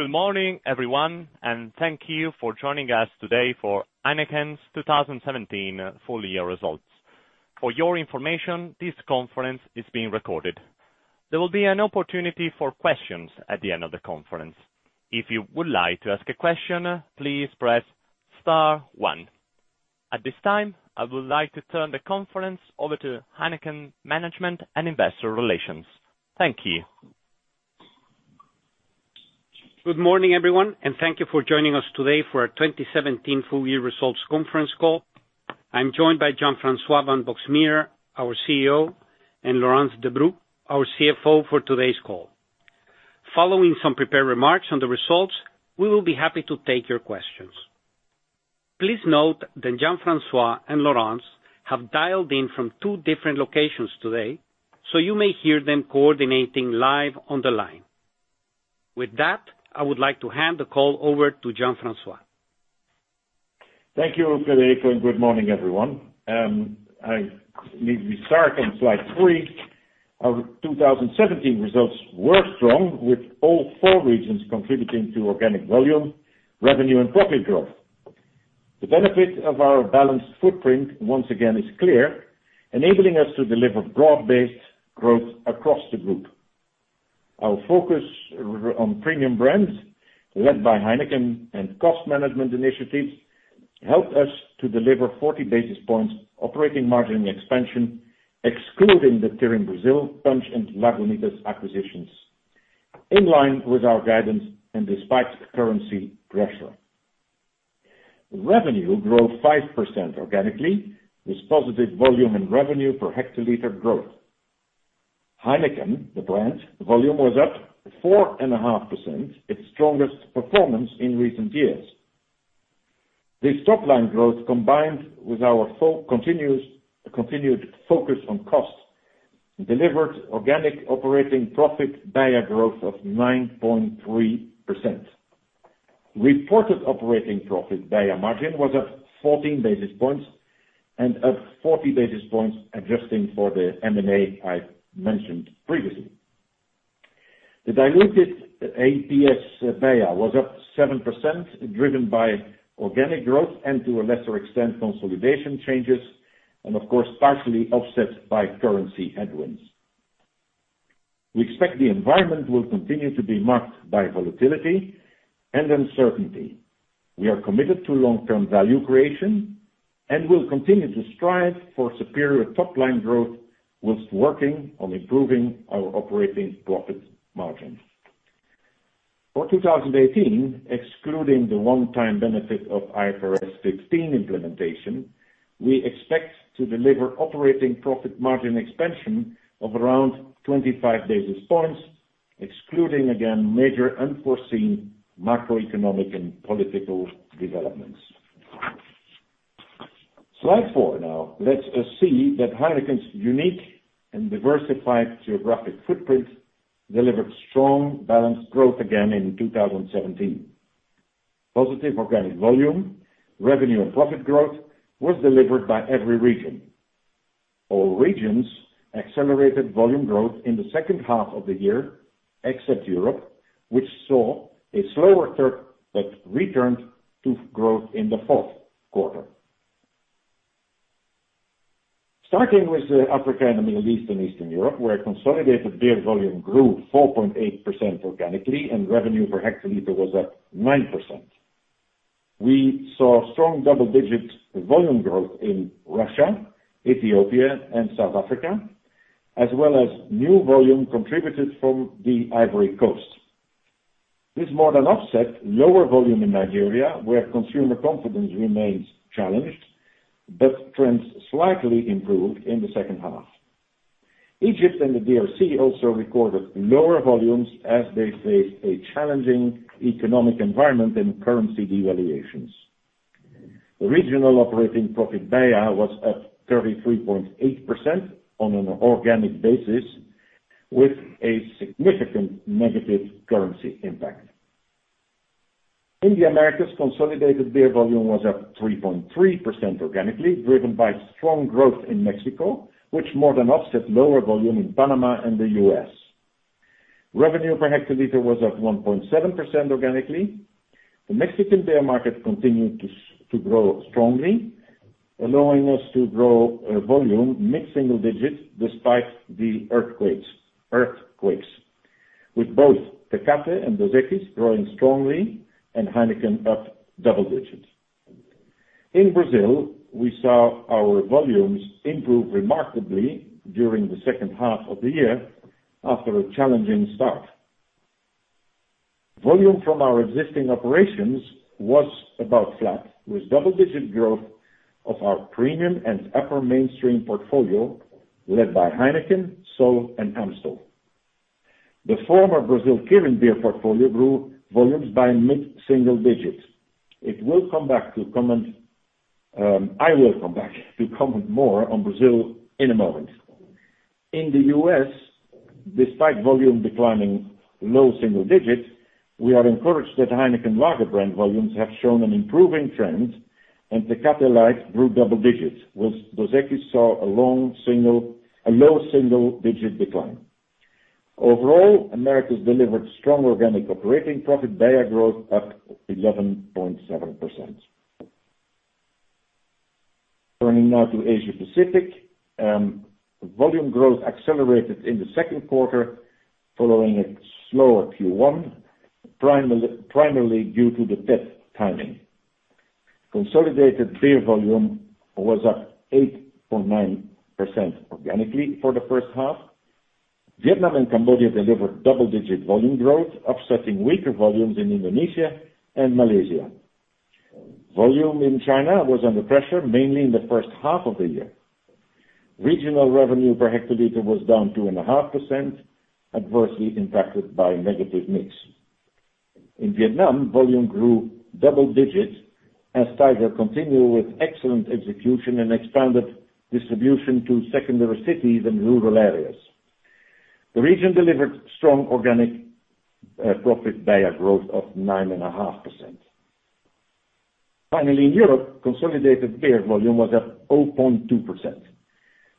Good morning, everyone, thank you for joining us today for Heineken's 2017 full year results. For your information, this conference is being recorded. There will be an opportunity for questions at the end of the conference. If you would like to ask a question, please press star one. At this time, I would like to turn the conference over to Heineken management and investor relations. Thank you. Good morning, everyone, thank you for joining us today for our 2017 full year results conference call. I am joined by Jean-François van Boxmeer, our CEO, and Laurence Debroux, our CFO, for today's call. Following some prepared remarks on the results, we will be happy to take your questions. Please note that Jean-François and Laurence have dialed in from two different locations today, so you may hear them coordinating live on the line. With that, I would like to hand the call over to Jean-François. Thank you, Federico, good morning, everyone. I believe we start on slide three. Our 2017 results were strong, with all four regions contributing to organic volume, revenue, and profit growth. The benefit of our balanced footprint once again is clear, enabling us to deliver broad-based growth across the group. Our focus on premium brands, led by Heineken and cost management initiatives, helped us to deliver 40 basis points operating margin expansion, excluding the Kirin Brazil, Punch, and Lagunitas acquisitions, in line with our guidance and despite currency pressure. Revenue grew 5% organically, with positive volume and revenue per hectoliter growth. Heineken, the brand, volume was up 4.5%, its strongest performance in recent years. This top-line growth, combined with our continued focus on cost, delivered organic operating profit beia growth of 9.3%. Reported operating profit beia margin was up 14 basis points, 40 basis points adjusting for the M&A I mentioned previously. The diluted EPS beia was up 7%, driven by organic growth, to a lesser extent, consolidation changes, of course, partially offset by currency headwinds. We expect the environment will continue to be marked by volatility and uncertainty. We are committed to long-term value creation and will continue to strive for superior top-line growth whilst working on improving our operating profit margins. For 2018, excluding the one-time benefit of IFRS 16 implementation, we expect to deliver operating profit margin expansion of around 25 basis points, excluding, again, major unforeseen macroeconomic and political developments. Slide four now lets us see that Heineken's unique and diversified geographic footprint delivered strong, balanced growth again in 2017. Positive organic volume, revenue, and profit growth was delivered by every region. All regions accelerated volume growth in the second half of the year, except Europe, which saw a slower third that returned to growth in the fourth quarter. Starting with Africa and the Middle East and Eastern Europe, where consolidated beer volume grew 4.8% organically, and revenue per hectoliter was up 9%. We saw strong double-digit volume growth in Russia, Ethiopia, and South Africa, as well as new volume contributed from the Ivory Coast. This more than offset lower volume in Nigeria, where consumer confidence remains challenged, but trends slightly improved in the second half. Egypt and the DRC also recorded lower volumes as they face a challenging economic environment and currency devaluations. The regional operating profit BEIA was up 33.8% on an organic basis, with a significant negative currency impact. In the Americas, consolidated beer volume was up 3.3% organically, driven by strong growth in Mexico, which more than offset lower volume in Panama and the U.S. Revenue per hectoliter was up 1.7% organically. The Mexican beer market continued to grow strongly, allowing us to grow volume mid-single digits despite the earthquakes, with both Tecate and Dos Equis growing strongly and Heineken up double digits. In Brazil, we saw our volumes improve remarkably during the second half of the year after a challenging start. Volume from our existing operations was about flat, with double-digit growth of our premium and upper mainstream portfolio, led by Heineken, Sol, and Amstel. The former Brasil Kirin beer portfolio grew volumes by mid-single digits. I will come back to comment more on Brazil in a moment. In the U.S., despite volume declining low single digits, we are encouraged that Heineken lager brand volumes have shown an improving trend, and Tecate Light grew double digits, whilst Dos Equis saw a low single-digit decline. Overall, Americas delivered strong organic operating profit, BEIA growth up 11.7%. Turning now to Asia-Pacific. Volume growth accelerated in the second quarter, following a slower Q1, primarily due to the Tet timing. Consolidated beer volume was up 8.9% organically for the first half. Vietnam and Cambodia delivered double-digit volume growth, offsetting weaker volumes in Indonesia and Malaysia. Volume in China was under pressure, mainly in the first half of the year. Regional revenue per hectoliter was down 2.5%, adversely impacted by negative mix. In Vietnam, volume grew double digits as Tiger continued with excellent execution and expanded distribution to secondary cities and rural areas. The region delivered strong organic profit BEIA growth of 9.5%. Finally, in Europe, consolidated beer volume was up 0.2%.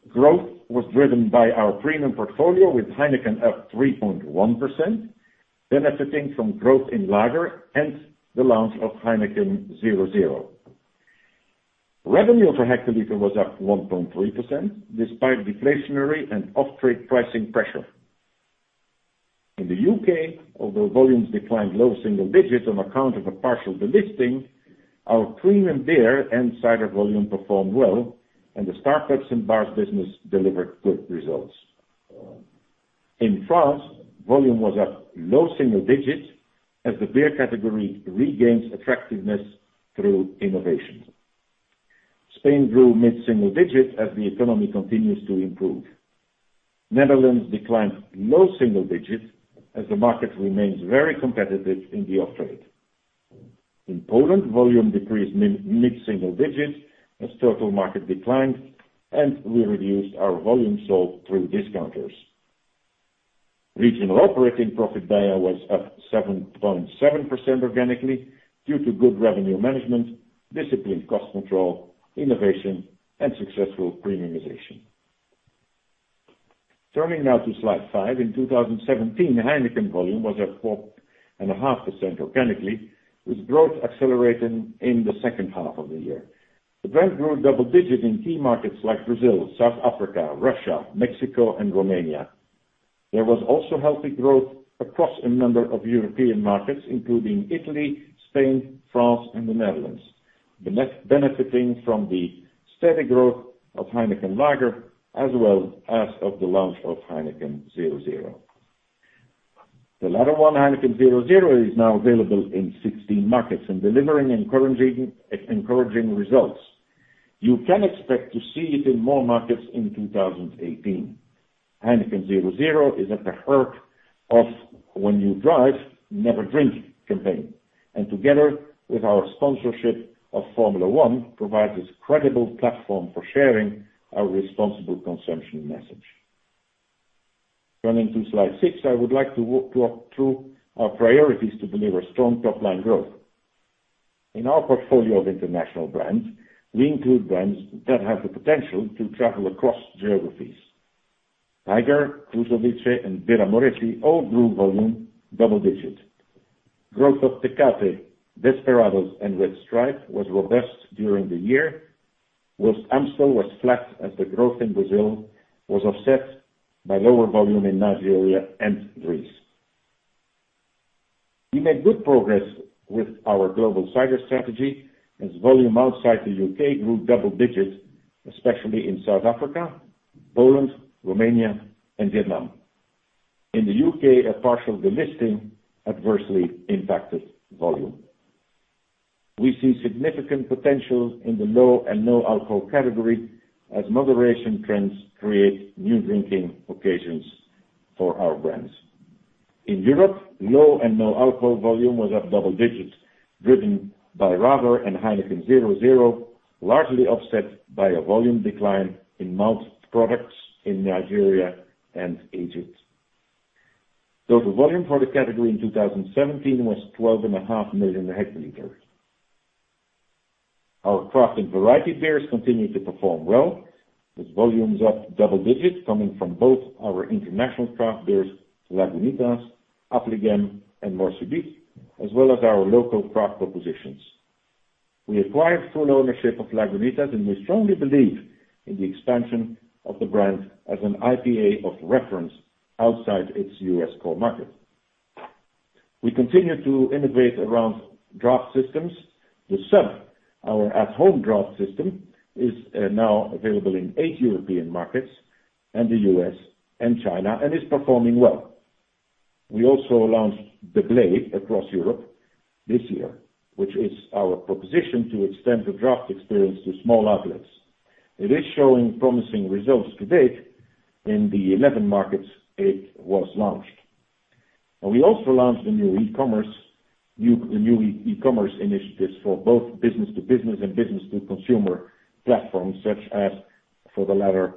Growth was driven by our premium portfolio with Heineken up 3.1%, benefiting from growth in lager and the launch of Heineken 0.0. Revenue per hectoliter was up 1.3%, despite deflationary and off-trade pricing pressure. In the U.K., although volumes declined low single digits on account of a partial delisting, our premium beer and cider volume performed well, and the Star Pubs & Bars business delivered good results. In France, volume was up low single digits as the beer category regains attractiveness through innovations. Spain grew mid-single digits as the economy continues to improve. Netherlands declined low single digits as the market remains very competitive in the off-trade. In Poland, volume decreased mid-single digits as total market declined, and we reduced our volume sold through discounters. Regional operating profit beia was up 7.7% organically due to good revenue management, disciplined cost control, innovation, and successful premiumization. Turning now to slide five. In 2017, Heineken volume was up 4.5% organically, with growth accelerating in the second half of the year. The brand grew double digits in key markets like Brazil, South Africa, Russia, Mexico and Romania. There was also healthy growth across a number of European markets, including Italy, Spain, France, and the Netherlands, benefiting from the steady growth of Heineken lager as well as of the launch of Heineken 0.0. The latter one, Heineken 0.0, is now available in 16 markets and delivering encouraging results. You can expect to see it in more markets in 2018. Heineken 0.0 is at the heart of When You Drive, Never Drink campaign, and together with our sponsorship of Formula One, provides us credible platform for sharing our responsible consumption message. Turning to slide six, I would like to walk you through our priorities to deliver strong top line growth. In our portfolio of international brands, we include brands that have the potential to travel across geographies. Tiger, Krušovice, and Birra Moretti all grew volume double digits. Growth of Tecate, Desperados, and Red Stripe was robust during the year, whilst Amstel was flat as the growth in Brazil was offset by lower volume in Nigeria and Greece. We made good progress with our global cider strategy as volume outside the U.K. grew double digits, especially in South Africa, Poland, Romania and Vietnam. In the U.K., a partial delisting adversely impacted volume. We see significant potential in the low and no alcohol category as moderation trends create new drinking occasions for our brands. In Europe, low and no alcohol volume was up double digits, driven by Radler and Heineken 0.0, largely offset by a volume decline in malt products in Nigeria and Egypt. Total volume for the category in 2017 was 12.5 million hectoliters. Our craft and variety beers continued to perform well, with volumes up double digits coming from both our international craft beers, Lagunitas, Affligem, and Mort Subite, as well as our local craft propositions. We acquired full ownership of Lagunitas, and we strongly believe in the expansion of the brand as an IPA of reference outside its U.S. core market. We continue to innovate around draft systems. The Sub, our at-home draft system, is now available in eight European markets, and the U.S., and China, and is performing well. We also launched the BLADE across Europe this year, which is our proposition to extend the draft experience to small outlets. It is showing promising results to date in the 11 markets it was launched. We also launched a new e-commerce initiatives for both business-to-business and business-to-consumer platforms, such as for the latter,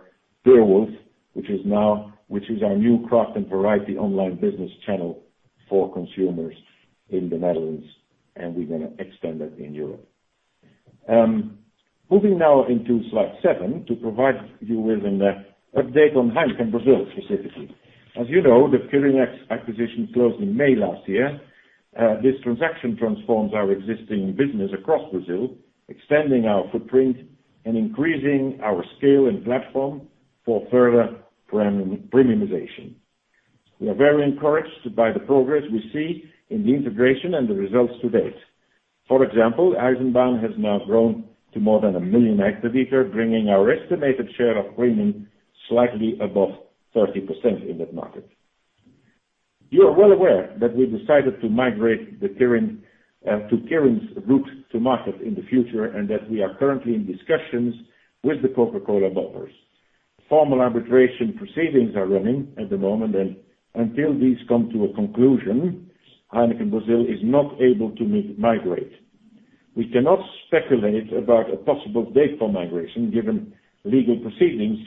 Beerwulf, which is our new craft and variety online business channel for consumers in the Netherlands, and we're going to extend that in Europe. Moving now into slide seven to provide you with an update on Heineken Brasil, specifically. As you know, the Kirin acquisition closed in May last year. This transaction transforms our existing business across Brazil, extending our footprint and increasing our scale and platform for further premiumization. We are very encouraged by the progress we see in the integration and the results to date. For example, Eisenbahn has now grown to more than 1 million activators, bringing our estimated share of premium slightly above 30% in that market. You are well aware that we decided to migrate to Kirin's route to market in the future, that we are currently in discussions with the Coca-Cola bottlers. Formal arbitration proceedings are running at the moment, and until these come to a conclusion, Heineken Brasil is not able to migrate. We cannot speculate about a possible date for migration, given legal proceedings,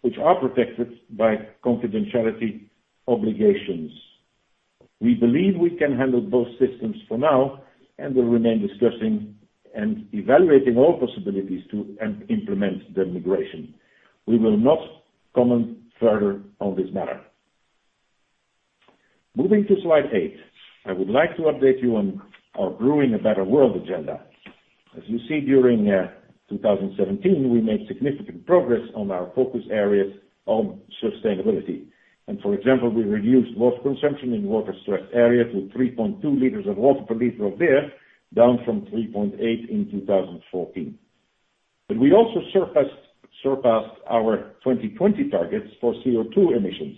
which are protected by confidentiality obligations. We believe we can handle both systems for now, and will remain discussing and evaluating all possibilities to implement the migration. We will not comment further on this matter. Moving to slide eight. I would like to update you on our Brewing a Better World agenda. As you see, during 2017, we made significant progress on our focus areas on sustainability. For example, we reduced water consumption in water-stressed areas to 3.2 liters of water per liter of beer, down from 3.8 in 2014. We also surpassed our 2020 targets for CO2 emissions.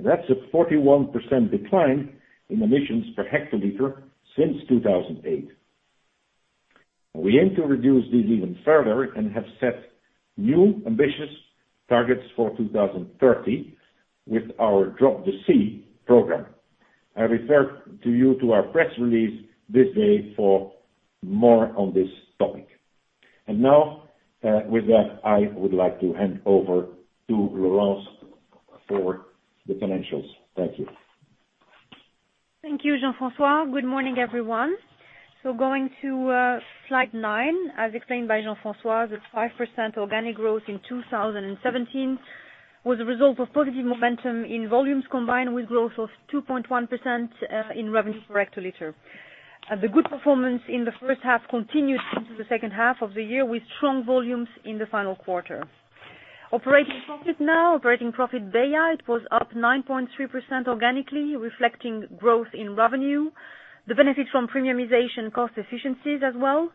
That's a 41% decline in emissions per hectoliter since 2008. We aim to reduce this even further and have set new ambitious targets for 2030 with our Drop the C program. I refer you to our press release this day for more on this topic. Now, with that, I would like to hand over to Laurence for the financials. Thank you. Thank you, Jean-François. Good morning, everyone. Going to slide nine. As explained by Jean-François, the 5% organic growth in 2017 was a result of positive momentum in volumes, combined with growth of 2.1% in revenue per hectoliter. The good performance in the first half continued into the second half of the year, with strong volumes in the final quarter. Operating profit now. Operating profit beia, it was up 9.3% organically, reflecting growth in revenue, the benefit from premiumization cost efficiencies as well.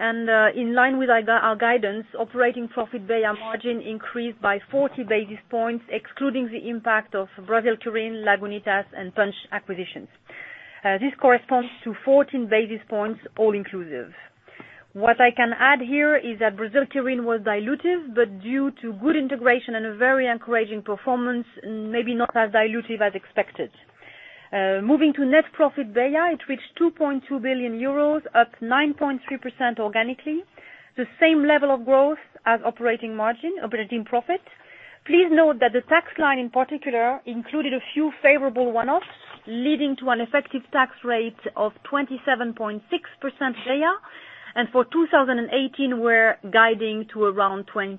In line with our guidance, operating profit beia margin increased by 40 basis points, excluding the impact of Brasil Kirin, Lagunitas, and Punch acquisitions. This corresponds to 14 basis points all inclusive. What I can add here is that Brasil Kirin was dilutive, but due to good integration and a very encouraging performance, maybe not as dilutive as expected. Moving to net profit beia, it reached 2.2 billion euros, up 9.3% organically, the same level of growth as operating margin, operating profit. Please note that the tax line, in particular, included a few favorable one-offs, leading to an effective tax rate of 27.6% beia. For 2018, we're guiding to around 28%.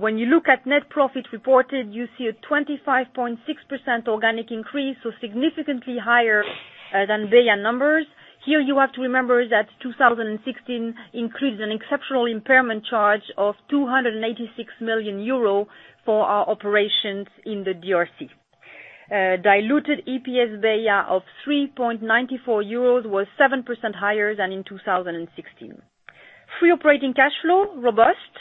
When you look at net profit reported, you see a 25.6% organic increase, significantly higher than beia numbers. Here, you have to remember that 2016 includes an exceptional impairment charge of 286 million euro for our operations in the DRC. Diluted EPS beia of 3.94 euros was 7% higher than in 2016. Free operating cash flow, robust,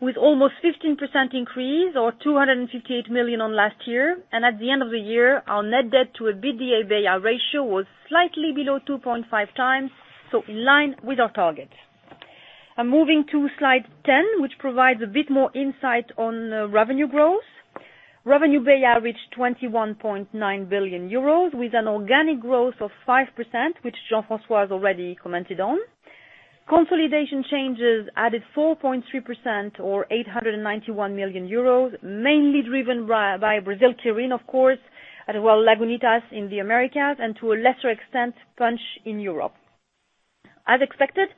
with almost 15% increase or 258 million on last year. At the end of the year, our net debt to EBITDA beia ratio was slightly below 2.5 times, in line with our target. Moving to slide 10, which provides a bit more insight on revenue growth. Revenue beia reached 21.9 billion euros, with an organic growth of 5%, which Jean-François has already commented on. Consolidation changes added 4.3% or 891 million euros, mainly driven by Brasil Kirin, of course, as well Lagunitas in the Americas, and to a lesser extent, Punch in Europe. As expected,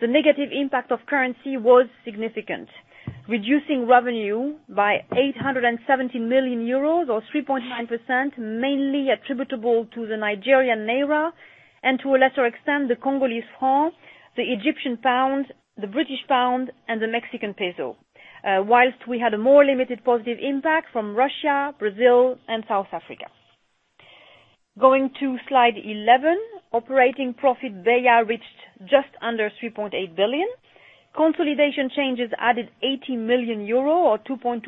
the negative impact of currency was significant, reducing revenue by 870 million euros or 3.9%, mainly attributable to the Nigerian naira and to a lesser extent, the Congolese franc, the Egyptian pound, the British pound, and the Mexican peso. Whilst we had a more limited positive impact from Russia, Brazil, and South Africa. Going to slide 11. Operating profit beia reached just under 3.8 billion. Consolidation changes added 80 million euro or 2.2%,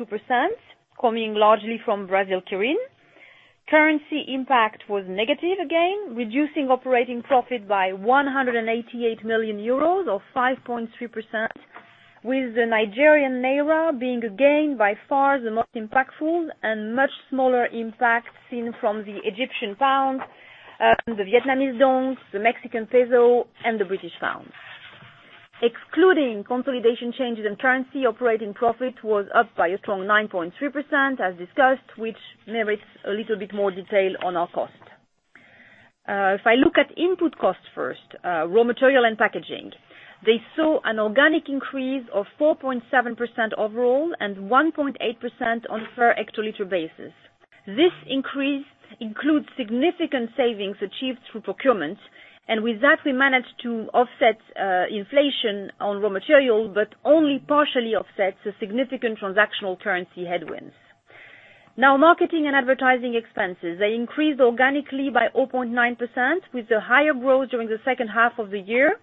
coming largely from Brasil Kirin. Currency impact was negative again, reducing operating profit by 188 million euros or 5.3%. With the Nigerian naira being again, by far, the most impactful, and much smaller impact seen from the Egyptian pound, the Vietnamese đồng, the Mexican peso, and the British pound. Excluding consolidation changes in currency, operating profit was up by a strong 9.3%, as discussed, which merits a little bit more detail on our cost. If I look at input costs first, raw material and packaging, they saw an organic increase of 4.7% overall and 1.8% on per hectoliter basis. This increase includes significant savings achieved through procurement, and with that, we managed to offset inflation on raw material, but only partially offsets the significant transactional currency headwinds. Marketing and advertising expenses. They increased organically by 0.9%, with a higher growth during the second half of the year,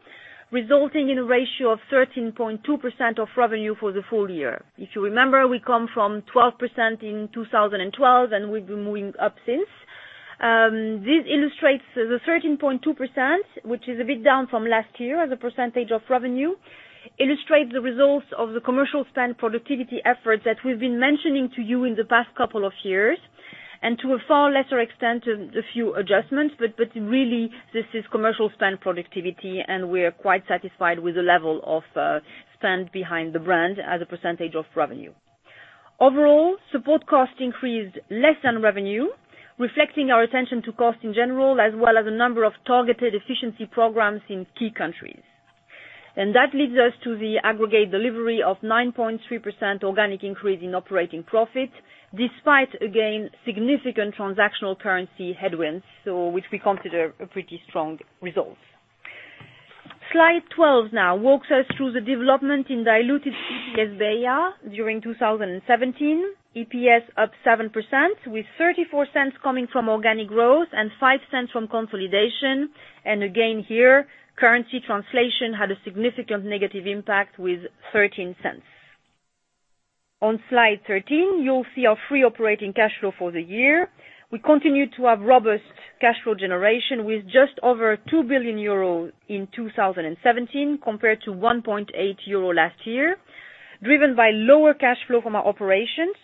resulting in a ratio of 13.2% of revenue for the full year. If you remember, we come from 12% in 2012, we've been moving up since. This illustrates the 13.2%, which is a bit down from last year as a percentage of revenue, illustrates the results of the commercial spend productivity efforts that we've been mentioning to you in the past couple of years. To a far lesser extent, a few adjustments, but really, this is commercial spend productivity, and we are quite satisfied with the level of spend behind the brand as a percentage of revenue. Overall, support cost increased less than revenue, reflecting our attention to cost in general, as well as a number of targeted efficiency programs in key countries. That leads us to the aggregate delivery of 9.3% organic increase in operating profit, despite, again, significant transactional currency headwinds, which we consider a pretty strong result. Slide 12 now walks us through the development in diluted EPS beia during 2017. EPS up 7%, with 0.34 coming from organic growth and 0.05 from consolidation. Again here, currency translation had a significant negative impact with 0.13. On slide 13, you'll see our free operating cash flow for the year. We continue to have robust cash flow generation with just over 2 billion euro in 2017 compared to 1.8 billion euro last year, driven by lower cash flow from our operations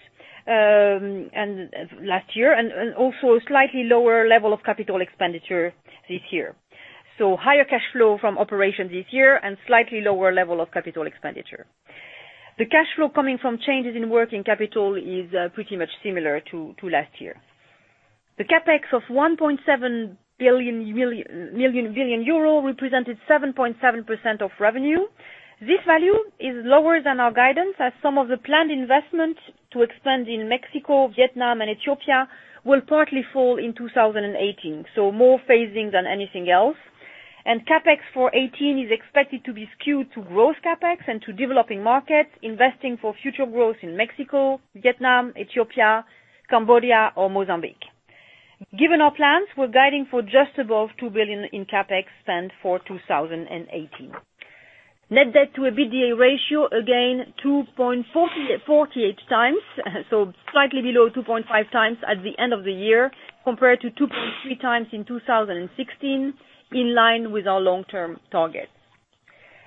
last year, and also a slightly lower level of capital expenditure this year. Higher cash flow from operations this year, and slightly lower level of capital expenditure. The cash flow coming from changes in working capital is pretty much similar to last year. The CapEx of 1.7 billion represented 7.7% of revenue. This value is lower than our guidance as some of the planned investments to expand in Mexico, Vietnam, and Ethiopia will partly fall in 2018, so more phasing than anything else. CapEx for 2018 is expected to be skewed to growth CapEx and to developing markets, investing for future growth in Mexico, Vietnam, Ethiopia, Cambodia or Mozambique. Given our plans, we are guiding for just above 2 billion in CapEx spend for 2018. Net debt to EBITDA ratio, again, 2.48 times, so slightly below 2.5 times at the end of the year compared to 2.3 times in 2016, in line with our long-term target.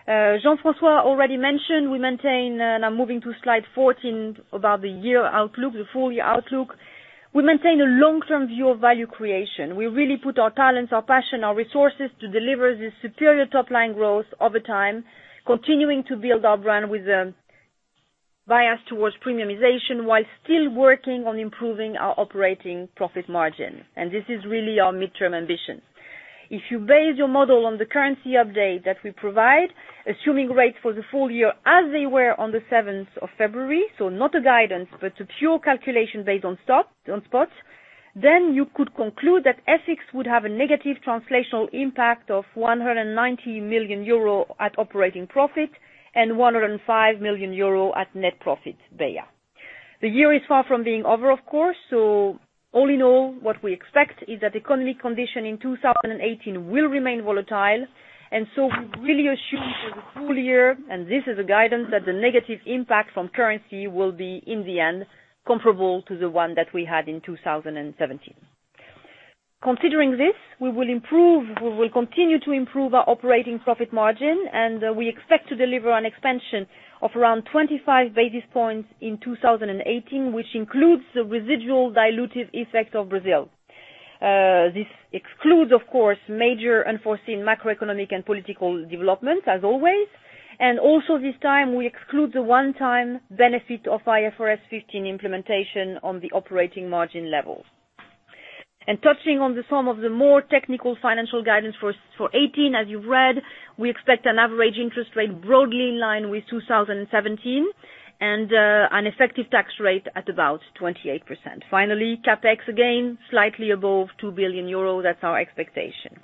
Jean-François already mentioned I am moving to slide 14 about the year outlook, the full-year outlook. We maintain a long-term view of value creation. We really put our talents, our passion, our resources to deliver the superior top-line growth over time, continuing to build our brand with a bias towards premiumization while still working on improving our operating profit margin. This is really our midterm ambition. If you base your model on the currency update that we provide, assuming rates for the full year as they were on the 7th of February, so not a guidance, but a pure calculation based on spot, then you could conclude that ethics would have a negative translational impact of 190 million euro at operating profit and 105 million euro at net profit BEIA. The year is far from being over, of course, all in all, what we expect is that economic condition in 2018 will remain volatile. We really assume for the full year, and this is a guidance, that the negative impact from currency will be, in the end, comparable to the one that we had in 2017. Considering this, we will continue to improve our operating profit margin, and we expect to deliver an expansion of around 25 basis points in 2018, which includes the residual diluted effect of Brazil. This excludes, of course, major unforeseen macroeconomic and political developments as always. Also this time we exclude the one-time benefit of IFRS 15 implementation on the operating margin level. Touching on the some of the more technical financial guidance for 2018, as you read, we expect an average interest rate broadly in line with 2017 and an effective tax rate at about 28%. Finally, CapEx, again, slightly above 2 billion euros. That is our expectation.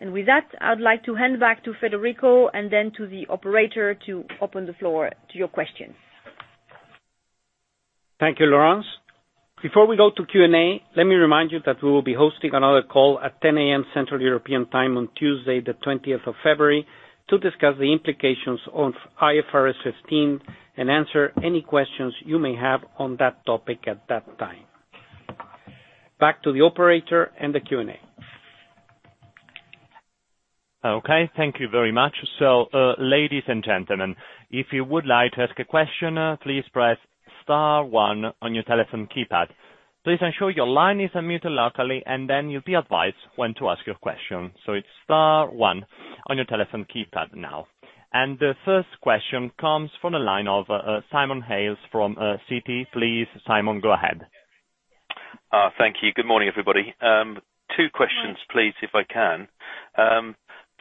With that, I would like to hand back to Federico and then to the operator to open the floor to your questions. Thank you, Laurence. Before we go to Q&A, let me remind you that we will be hosting another call at 10:00 A.M. Central European Time on Tuesday the 20th of February to discuss the implications of IFRS 15 and answer any questions you may have on that topic at that time. Back to the operator and the Q&A Thank you very much. Ladies and gentlemen, if you would like to ask a question, please press star one on your telephone keypad. Please ensure your line is unmuted locally. Then you'll be advised when to ask your question. It's star one on your telephone keypad now. The first question comes from the line of Simon Hales from Citi. Please, Simon, go ahead. Thank you. Good morning, everybody. Two questions, please, if I can.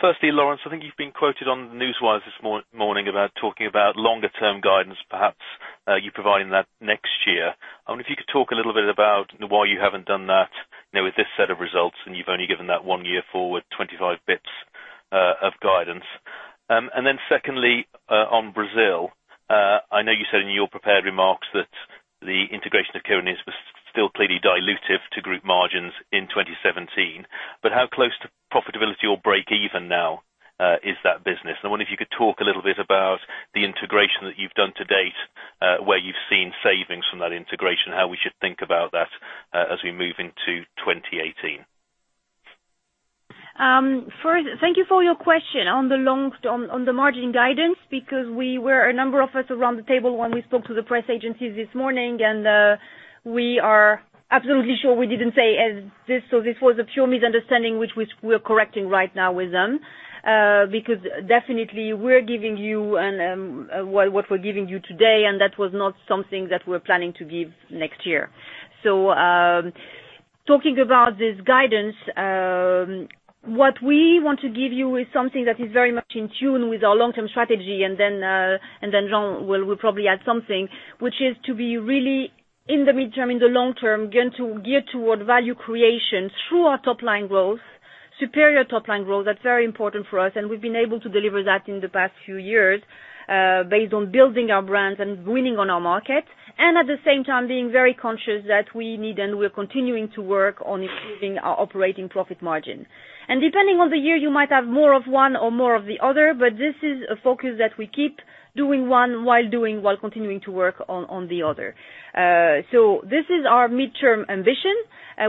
Firstly, Laurence, I think you've been quoted on Newswire this morning about talking about longer-term guidance, perhaps you providing that next year. I wonder if you could talk a little bit about why you haven't done that with this set of results. You've only given that one year forward, 25 basis points of guidance. Then secondly, on Brazil, I know you said in your prepared remarks that the integration of Kirin is still clearly dilutive to group margins in 2017. How close to profitability or breakeven now is that business? I wonder if you could talk a little bit about the integration that you've done to date, where you've seen savings from that integration, how we should think about that as we move into 2018. Thank you for your question on the margin guidance. We were a number of us around the table when we spoke to the press agencies this morning. We are absolutely sure we didn't say as this. This was a pure misunderstanding, which we're correcting right now with them. Definitely we're giving you what we're giving you today. That was not something that we're planning to give next year. Talking about this guidance, what we want to give you is something that is very much in tune with our long-term strategy. Then Jean will probably add something, which is to be really in the midterm, in the long-term, going to gear toward value creation through our top-line growth, superior top-line growth. That's very important for us, we've been able to deliver that in the past few years, based on building our brands and winning on our market. At the same time, being very conscious that we need and we're continuing to work on improving our operating profit margin. Depending on the year, you might have more of one or more of the other, but this is a focus that we keep doing one while continuing to work on the other. This is our midterm ambition,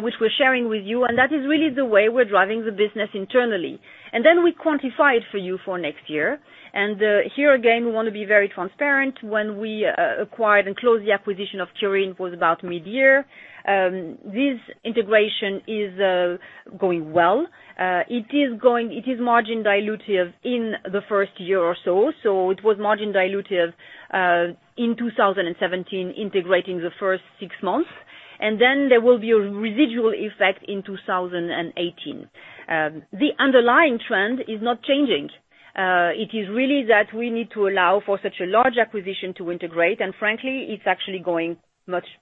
which we're sharing with you, and that is really the way we're driving the business internally. Then we quantify it for you for next year. Here again, we want to be very transparent. When we acquired and closed the acquisition of Kirin was about mid-year. This integration is going well. It is margin dilutive in the first year or so. It was margin dilutive in 2017, integrating the first six months. Then there will be a residual effect in 2018. The underlying trend is not changing. It is really that we need to allow for such a large acquisition to integrate, and frankly, it's actually going much faster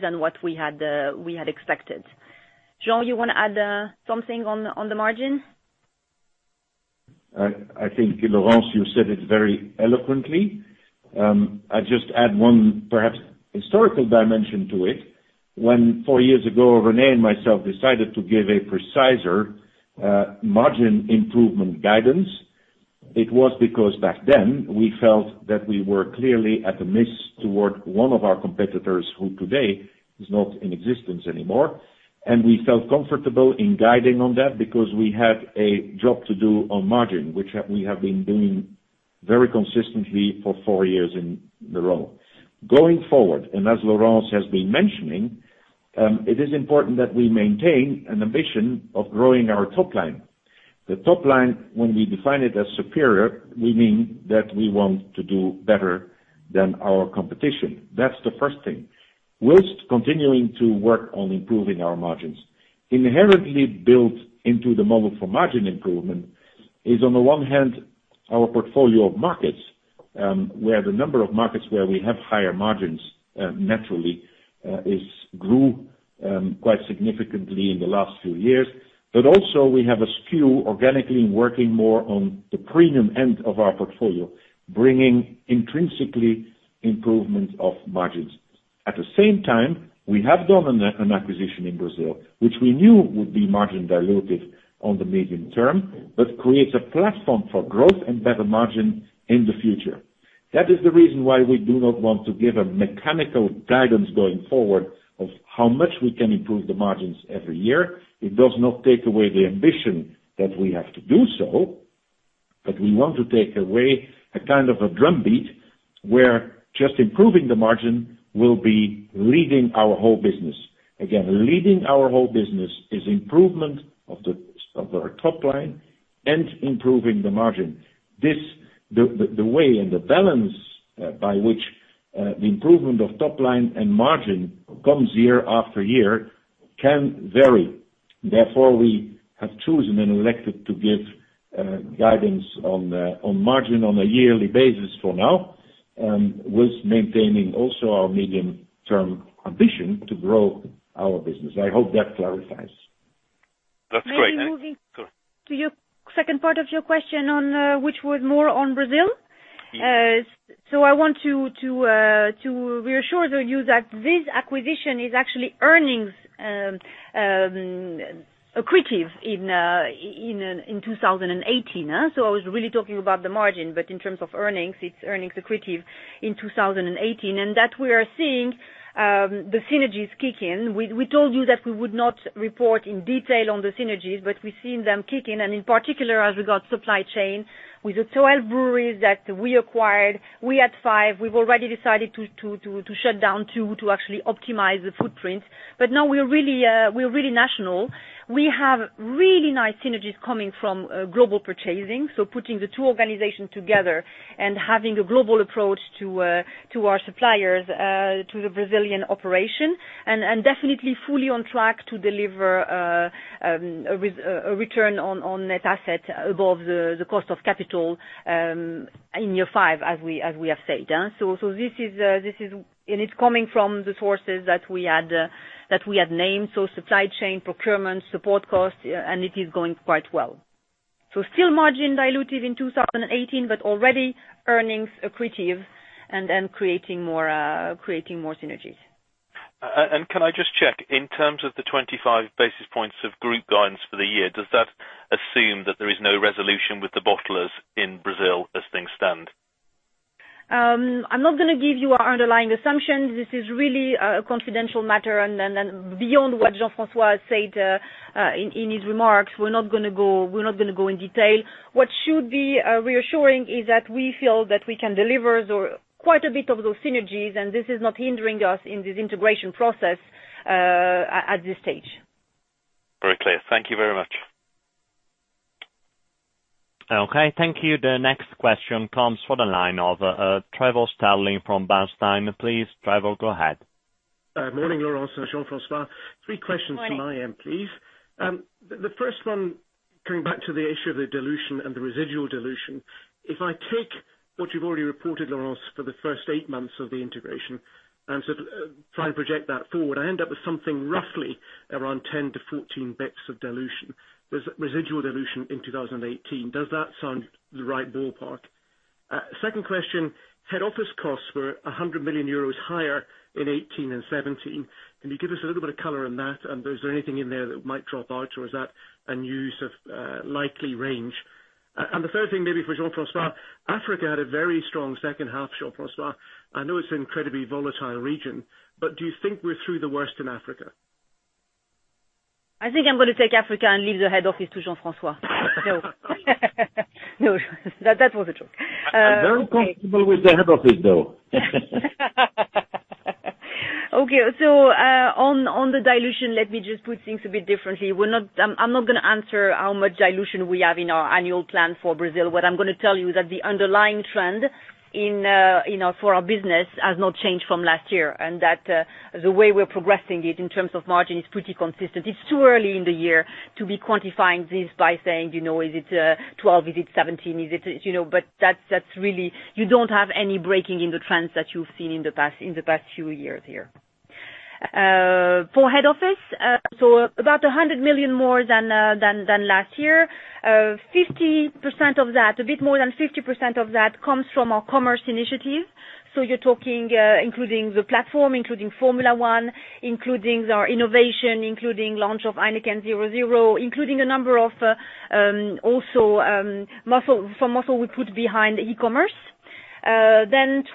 than what we had expected. Jean, you want to add something on the margin? I think, Laurence, you said it very eloquently. I'd just add one perhaps historical dimension to it. When four years ago, René and myself decided to give a preciser margin improvement guidance, it was because back then we felt that we were clearly at a miss toward one of our competitors who today is not in existence anymore. We felt comfortable in guiding on that because we had a job to do on margin, which we have been doing very consistently for four years in a row. Going forward, as Laurence has been mentioning, it is important that we maintain an ambition of growing our top line. The top line, when we define it as superior, we mean that we want to do better than our competition. That's the first thing. Whilst continuing to work on improving our margins. Inherently built into the model for margin improvement is on the one hand, our portfolio of markets, where the number of markets where we have higher margins naturally grew quite significantly in the last few years. Also we have a skew organically working more on the premium end of our portfolio, bringing intrinsically improvement of margins. At the same time, we have done an acquisition in Brazil, which we knew would be margin dilutive on the medium term, but creates a platform for growth and better margin in the future. That is the reason why we do not want to give a mechanical guidance going forward of how much we can improve the margins every year. It does not take away the ambition that we have to do so. We want to take away a kind of a drumbeat where just improving the margin will be leading our whole business. Leading our whole business is improvement of our top line and improving the margin. The way and the balance by which the improvement of top line and margin comes year after year can vary. We have chosen and elected to give guidance on margin on a yearly basis for now, with maintaining also our medium-term ambition to grow our business. I hope that clarifies. That's great. Moving to your second part of your question, which was more on Brazil. Yes. We assure you that this acquisition is actually earnings accretive in 2018. I was really talking about the margin, in terms of earnings, it's earnings accretive in 2018, and that we are seeing the synergies kick in. We told you that we would not report in detail on the synergies, we're seeing them kick in, and in particular, as regards supply chain with the 12 breweries that we acquired. We had five. We've already decided to shut down two to actually optimize the footprint. Now we are really national. We have really nice synergies coming from global purchasing. Putting the two organizations together and having a global approach to our suppliers, to the Brazilian operation, and definitely fully on track to deliver a return on net asset above the cost of capital in year five as we have said. It's coming from the sources that we had named. Supply chain, procurement, support costs, and it is going quite well. Still margin dilutive in 2018, but already earnings accretive, creating more synergies. Can I just check, in terms of the 25 basis points of group guidance for the year, does that assume that there is no resolution with the bottlers in Brazil as things stand? I'm not going to give you our underlying assumptions. This is really a confidential matter. Beyond what Jean-François said in his remarks, we're not going to go into detail. What should be reassuring is that we feel that we can deliver quite a bit of those synergies, and this is not hindering us in this integration process at this stage. Very clear. Thank you very much. Okay, thank you. The next question comes from the line of Trevor Stirling from Bernstein. Please, Trevor, go ahead. Morning, Laurence and Jean-François. Morning. Three questions from my end, please. The first one, coming back to the issue of the dilution and the residual dilution, if I take what you've already reported, Laurence, for the first eight months of the integration and try to project that forward, I end up with something roughly around 10-14 basis points of dilution, residual dilution in 2018. Does that sound the right ballpark? Second question, head office costs were 100 million euros higher in 2018 and 2017. Is there anything in there that might drop out, or is that a new likely range? The third thing, maybe for Jean-François, Africa had a very strong second half, Jean-François. I know it's an incredibly volatile region, but do you think we're through the worst in Africa? I think I'm going to take Africa and leave the head office to Jean-François. No, that was a joke. I'm very comfortable with the head office, though. Okay. On the dilution, let me just put things a bit differently. I'm not going to answer how much dilution we have in our annual plan for Brazil. What I'm going to tell you is that the underlying trend for our business has not changed from last year, and that the way we're progressing it in terms of margin is pretty consistent. It's too early in the year to be quantifying this by saying, is it 12, is it 17? You don't have any breaking in the trends that you've seen in the past few years here. For head office, about 100 million more than last year. A bit more than 50% of that comes from our commerce initiative. You're talking including the platform, including Formula One, including our innovation, including launch of Heineken 0.0, including a number of muscle we put behind e-commerce.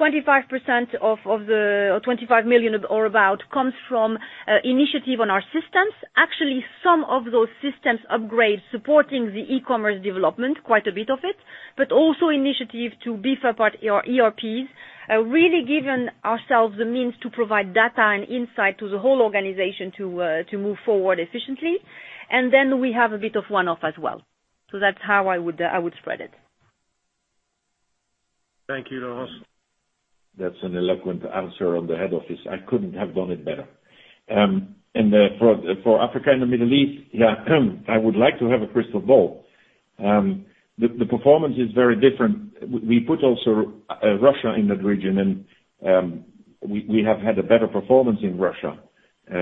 25 million or about comes from initiative on our systems. Actually, some of those systems upgrades supporting the e-commerce development, quite a bit of it, but also initiative to beef up our ERPs, really given ourselves the means to provide data and insight to the whole organization to move forward efficiently. We have a bit of one-off as well. That's how I would spread it. Thank you, Laurence. That's an eloquent answer on the head office. I couldn't have done it better. For Africa and the Middle East, yeah, I would like to have a crystal ball. The performance is very different. We put also Russia in that region. We have had a better performance in Russia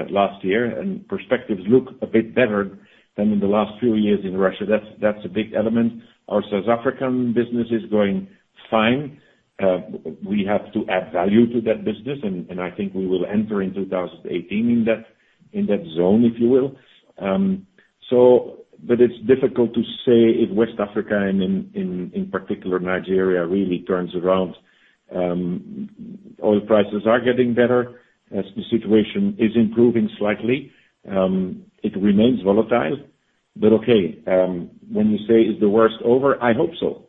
last year, and perspectives look a bit better than in the last few years in Russia. That's a big element. Our South African business is going fine. We have to add value to that business, and I think we will enter in 2018 in that zone, if you will. It's difficult to say if West Africa and in particular Nigeria really turns around. Oil prices are getting better as the situation is improving slightly. It remains volatile. Okay, when you say is the worst over, I hope so.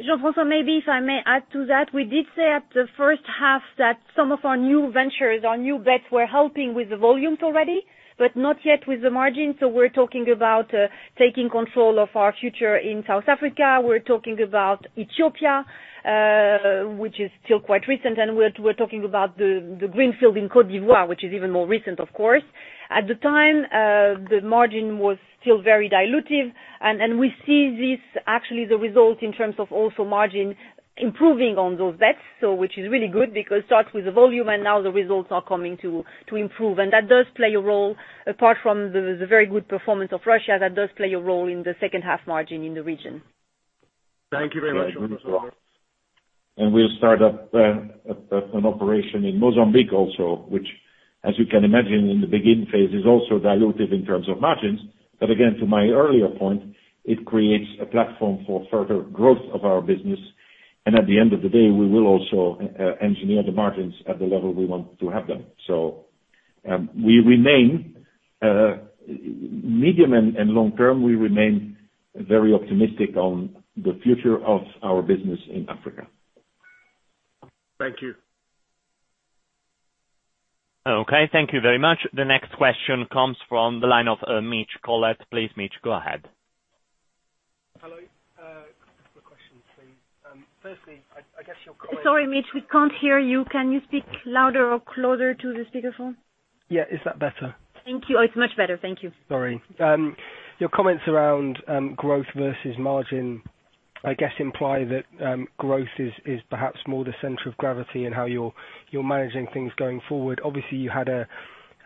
Jean-François, maybe if I may add to that, we did say at the first half that some of our new ventures, our new bets, were helping with the volumes already, but not yet with the margin. We're talking about taking control of our future in South Africa. We're talking about Ethiopia, which is still quite recent. We're talking about the greenfield in Côte d'Ivoire, which is even more recent, of course. At the time, the margin was still very dilutive. We see this actually the result in terms of also margin improving on those bets. Which is really good because it starts with the volume and now the results are coming to improve. That does play a role apart from the very good performance of Russia, that does play a role in the second half margin in the region. Thank you very much. We'll start up an operation in Mozambique also, which as you can imagine in the beginning phase is also dilutive in terms of margins. Again, to my earlier point, it creates a platform for further growth of our business. At the end of the day, we will also engineer the margins at the level we want to have them. Medium and long term, we remain very optimistic on the future of our business in Africa. Thank you. Okay, thank you very much. The next question comes from the line of Mitch Collett. Please, Mitch, go ahead. Hello. A couple of questions, please. Firstly, I guess your- Sorry, Mitch, we can't hear you. Can you speak louder or closer to the speakerphone? Yeah, is that better? Thank you. It's much better. Thank you. Sorry. Your comments around growth versus margin, I guess imply that growth is perhaps more the center of gravity in how you're managing things going forward. Obviously, you had a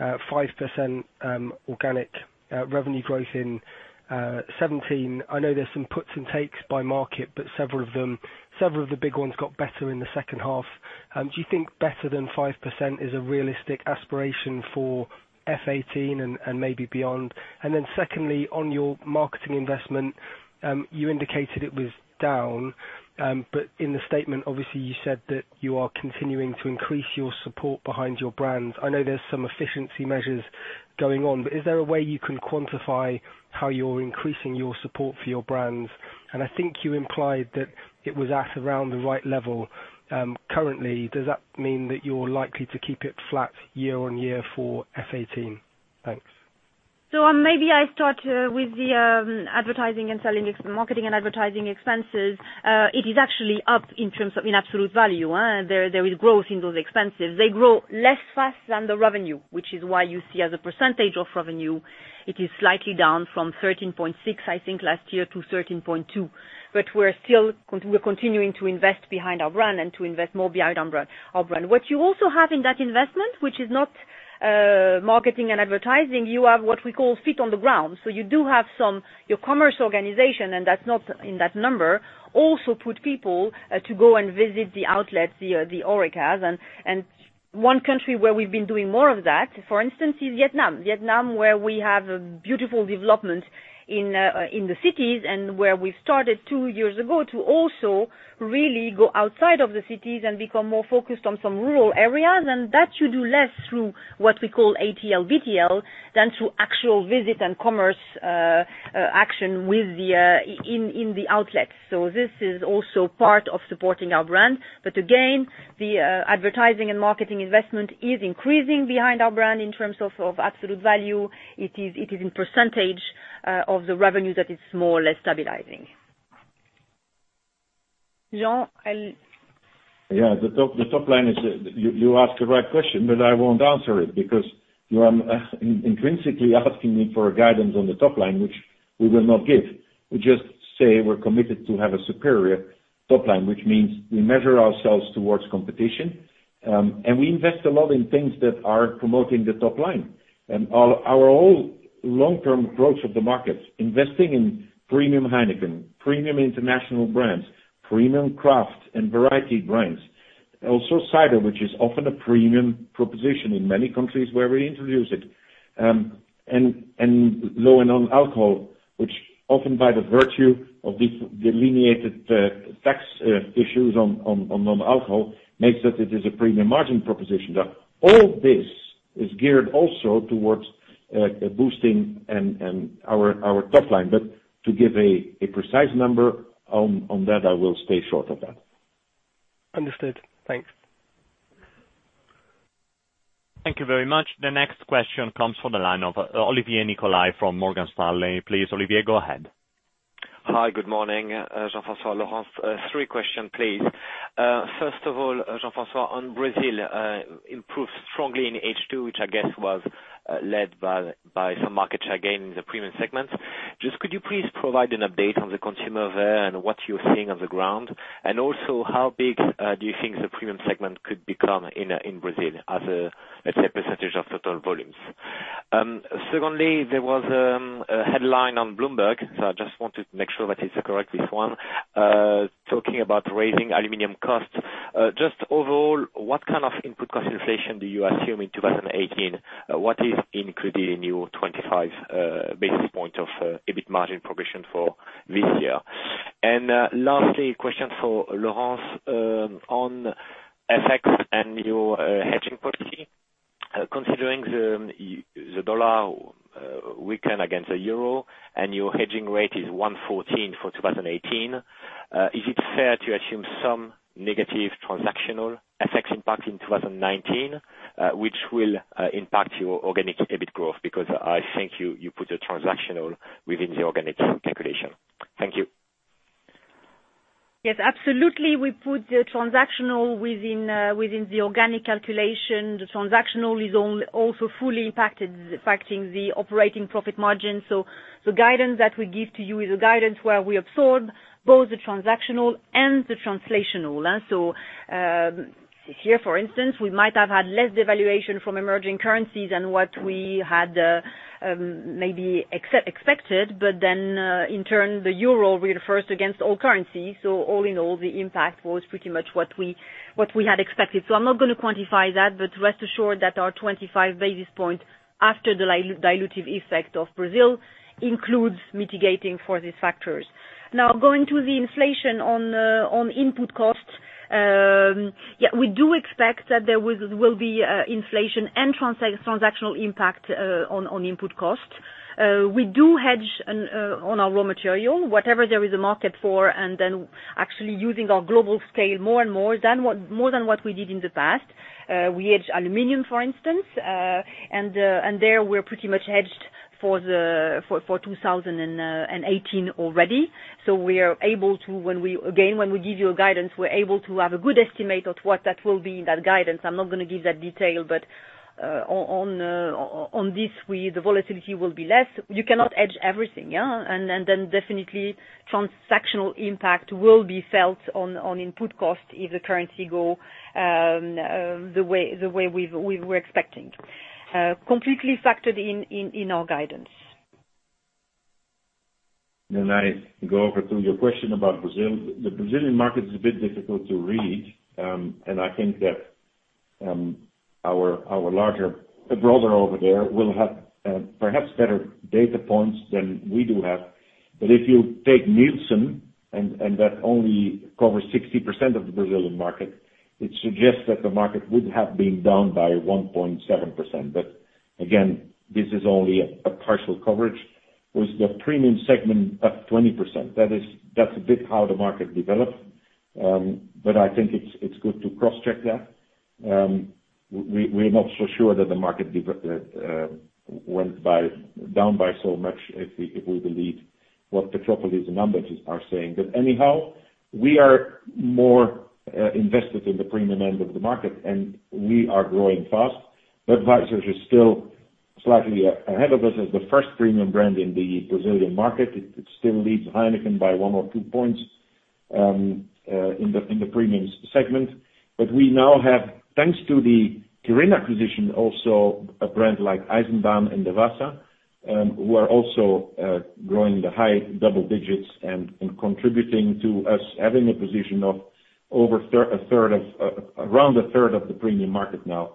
5% organic revenue growth in 2017. I know there's some puts and takes by market, but several of the big ones got better in the second half. Do you think better than 5% is a realistic aspiration for FY 2018 and maybe beyond? Secondly, on your marketing investment, you indicated it was down. In the statement, obviously you said that you are continuing to increase your support behind your brands. I know there's some efficiency measures going on, but is there a way you can quantify how you're increasing your support for your brands? I think you implied that it was at around the right level. Currently, does that mean that you're likely to keep it flat year-on-year for FY 2018? Thanks. Maybe I start with the marketing and advertising expenses. It is actually up in terms of in absolute value. There is growth in those expenses. They grow less fast than the revenue, which is why you see as a percentage of revenue, it is slightly down from 13.6, I think last year, to 13.2. We're continuing to invest behind our brand and to invest more behind our brand. What you also have in that investment, which is not marketing and advertising, you have what we call feet on the ground. You do have some, your commerce organization, and that's not in that number, also put people to go and visit the outlets, the HoReCa. One country where we've been doing more of that, for instance, is Vietnam. Vietnam, where we have a beautiful development in the cities and where we started two years ago to also really go outside of the cities and become more focused on some rural areas. That you do less through what we call ATL, BTL than through actual visit and commerce action in the outlets. This is also part of supporting our brand. Again, the advertising and marketing investment is increasing behind our brand in terms of absolute value. It is in percentage of the revenue that is more or less stabilizing. Jean? Yeah. You ask the right question, but I won't answer it because you are intrinsically asking me for a guidance on the top line, which we will not give. We just say we're committed to have a superior top line, which means we measure ourselves towards competition. We invest a lot in things that are promoting the top line. Our whole long-term growth of the markets, investing in premium Heineken, premium international brands, premium craft and variety brands. Also cider, which is often a premium proposition in many countries where we introduce it. Low and non-alcohol, which often by the virtue of these delineated tax issues on non-alcohol, makes that it is a premium margin proposition. All this is geared also towards boosting our top line. To give a precise number on that, I will stay short of that. Understood. Thanks. Thank you very much. The next question comes from the line of Olivier Nicolai from Morgan Stanley. Please, Olivier, go ahead. Hi. Good morning, Jean-François, Laurence. Three question, please. First of all, Jean-François, on Brazil, improved strongly in H2, which I guess was led by some market share gain in the premium segment. Also, how big do you think the premium segment could become in Brazil as a, let's say, percentage of total volumes? Secondly, there was a headline on Bloomberg, so I just want to make sure that it's correct, this one, talking about raising aluminum costs. Just overall, what kind of input cost inflation do you assume in 2018? What is included in your 25 basis points of EBIT margin progression for this year? Lastly, question for Laurence, on FX and your hedging policy. Considering the U.S. dollar weakened against the euro and your hedging rate is 114 for 2018, is it fair to assume some negative transactional FX impact in 2019 which will impact your organic EBIT growth? I think you put a transactional within the organic calculation. Thank you. Yes, absolutely. We put the transactional within the organic calculation. The transactional is also fully impacting the operating profit margin. The guidance that we give to you is a guidance where we absorb both the transactional and the translational. Here, for instance, we might have had less devaluation from emerging currencies than what we had maybe expected. In turn, the euro refers against all currencies. All in all, the impact was pretty much what we had expected. I'm not going to quantify that, but rest assured that our 25 basis points after the dilutive effect of Brazil includes mitigating for these factors. Now, going to the inflation on input costs. Yeah, we do expect that there will be inflation and transactional impact on input costs. We do hedge on our raw material, whatever there is a market for, actually using our global scale more and more than what we did in the past. We hedge aluminum, for instance, and there we're pretty much hedged for 2018 already. We are able to, again, when we give you a guidance, we're able to have a good estimate of what that will be in that guidance. I'm not going to give that detail, but on this, the volatility will be less. You cannot hedge everything. Definitely transactional impact will be felt on input cost if the currency go the way we were expecting. Completely factored in our guidance. I go over to your question about Brazil. The Brazilian market is a bit difficult to read, I think that our larger brother over there will have perhaps better data points than we do have. If you take Nielsen, that only covers 60% of the Brazilian market, it suggests that the market would have been down by 1.7%. Again, this is only a partial coverage. With the premium segment up 20%, that's a bit how the market developed. I think it's good to cross-check that. We're not so sure that the market went down by so much if we believe what Petrópolis numbers are saying. Anyhow, we are more invested in the premium end of the market, we are growing fast. Budweiser is still slightly ahead of us as the first premium brand in the Brazilian market. It still leads Heineken by one or two points in the premium segment. We now have, thanks to the Kirin acquisition, also a brand like Eisenbahn and Devassa, who are also growing the high double digits and contributing to us having a position of around a third of the premium market now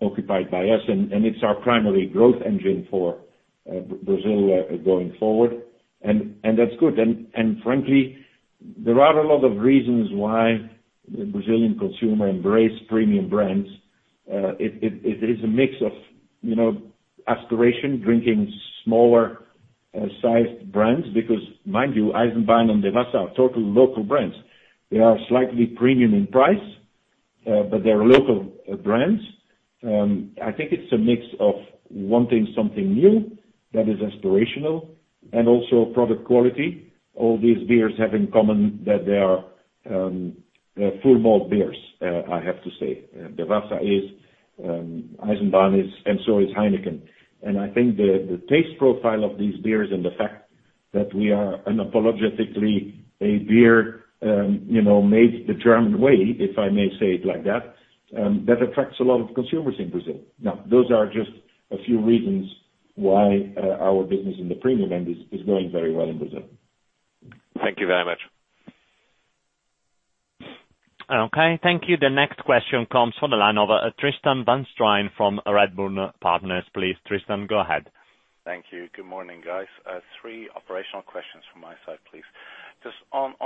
occupied by us. It's our primary growth engine for Brazil going forward, that's good. Frankly, there are a lot of reasons why the Brazilian consumer embrace premium brands. It is a mix of aspiration, drinking smaller sized brands, because mind you, Eisenbahn and Devassa are totally local brands. They are slightly premium in price, but they're local brands. I think it's a mix of wanting something new that is aspirational and also product quality. All these beers have in common that they are full malt beers, I have to say. Devassa is, Eisenbahn is, so is Heineken. I think the taste profile of these beers and the fact that we are unapologetically a beer made the German way, if I may say it like that attracts a lot of consumers in Brazil. Those are just a few reasons why our business in the premium end is going very well in Brazil. Thank you very much. Okay, thank you. The next question comes from the line of Tristan van Strien from Redburn Partners. Please, Tristan, go ahead. Thank you. Good morning, guys. Three operational questions from my side, please. I was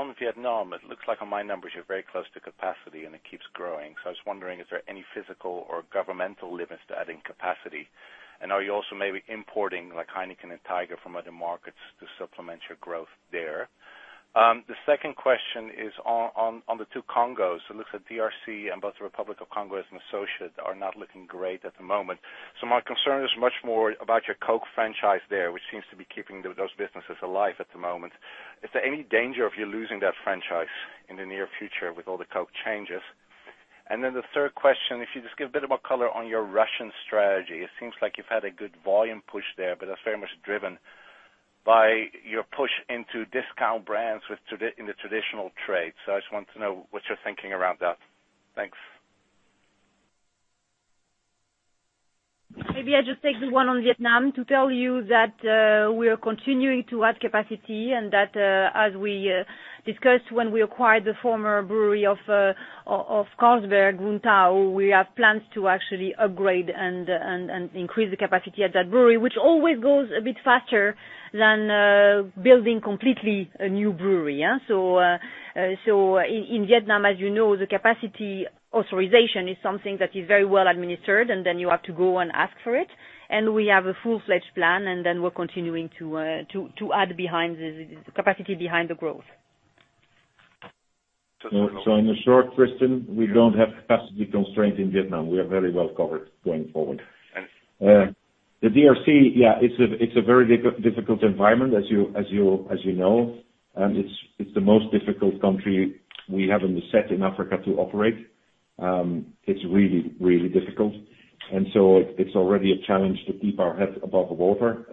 wondering, is there any physical or governmental limits to adding capacity? Are you also maybe importing Heineken and Tiger from other markets to supplement your growth there? The second question is on the two Congos. It looks like DRC and both the Republic of Congo and associate are not looking great at the moment. My concern is much more about your Coke franchise there, which seems to be keeping those businesses alive at the moment. Is there any danger of you losing that franchise in the near future with all the Coke changes? The third question, if you just give a bit more color on your Russian strategy. It seems like you've had a good volume push there, That's very much driven by your push into discount brands in the traditional trade. I just want to know what you're thinking around that. Thanks. Maybe I just take the one on Vietnam to tell you that we are continuing to add capacity and that as we discussed when we acquired the former brewery of Carlsberg, Guntao, we have plans to actually upgrade and increase the capacity at that brewery, which always goes a bit faster than building completely a new brewery. In Vietnam, as you know, the capacity authorization is something that is very well administered, and then you have to go and ask for it. We have a full-fledged plan, and then we're continuing to add capacity behind the growth. In short, Tristan, we don't have capacity constraints in Vietnam. We are very well covered going forward. The DRC, yeah, it's a very difficult environment as you know. It's the most difficult country we have in the set in Africa to operate. It's really, really difficult. It's already a challenge to keep our head above the water.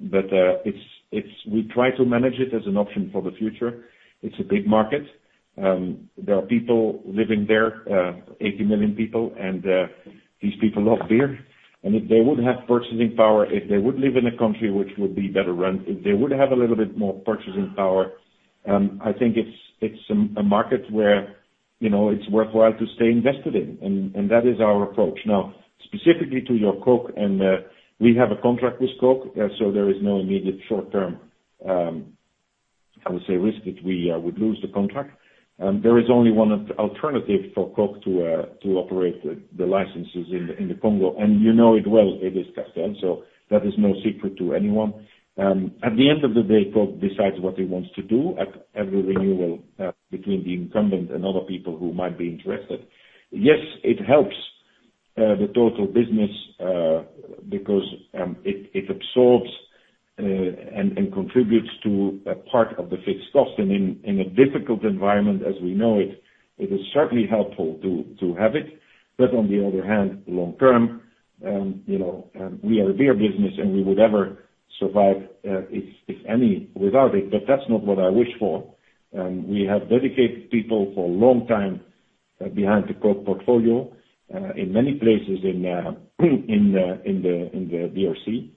We try to manage it as an option for the future. It's a big market. There are people living there, 80 million people, and these people love beer. If they would have purchasing power, if they would live in a country, which would be better run, if they would have a little bit more purchasing power, I think it's a market where it's worthwhile to stay invested in. That is our approach. Now, specifically to your Coke, and we have a contract with Coke, so there is no immediate short term, I would say, risk that we would lose the contract. There is only one alternative for Coke to operate the licenses in the Congo, and you know it well, it is Castel, so that is no secret to anyone. At the end of the day, Coke decides what it wants to do at every renewal between the incumbent and other people who might be interested. Yes, it helps the total business, because it absorbs and contributes to a part of the fixed cost. In a difficult environment as we know it is certainly helpful to have it. On the other hand, long term, we are a beer business, and we would ever survive, if any, without it, but that's not what I wish for. We have dedicated people for a long time behind the Coke portfolio, in many places in the DRC.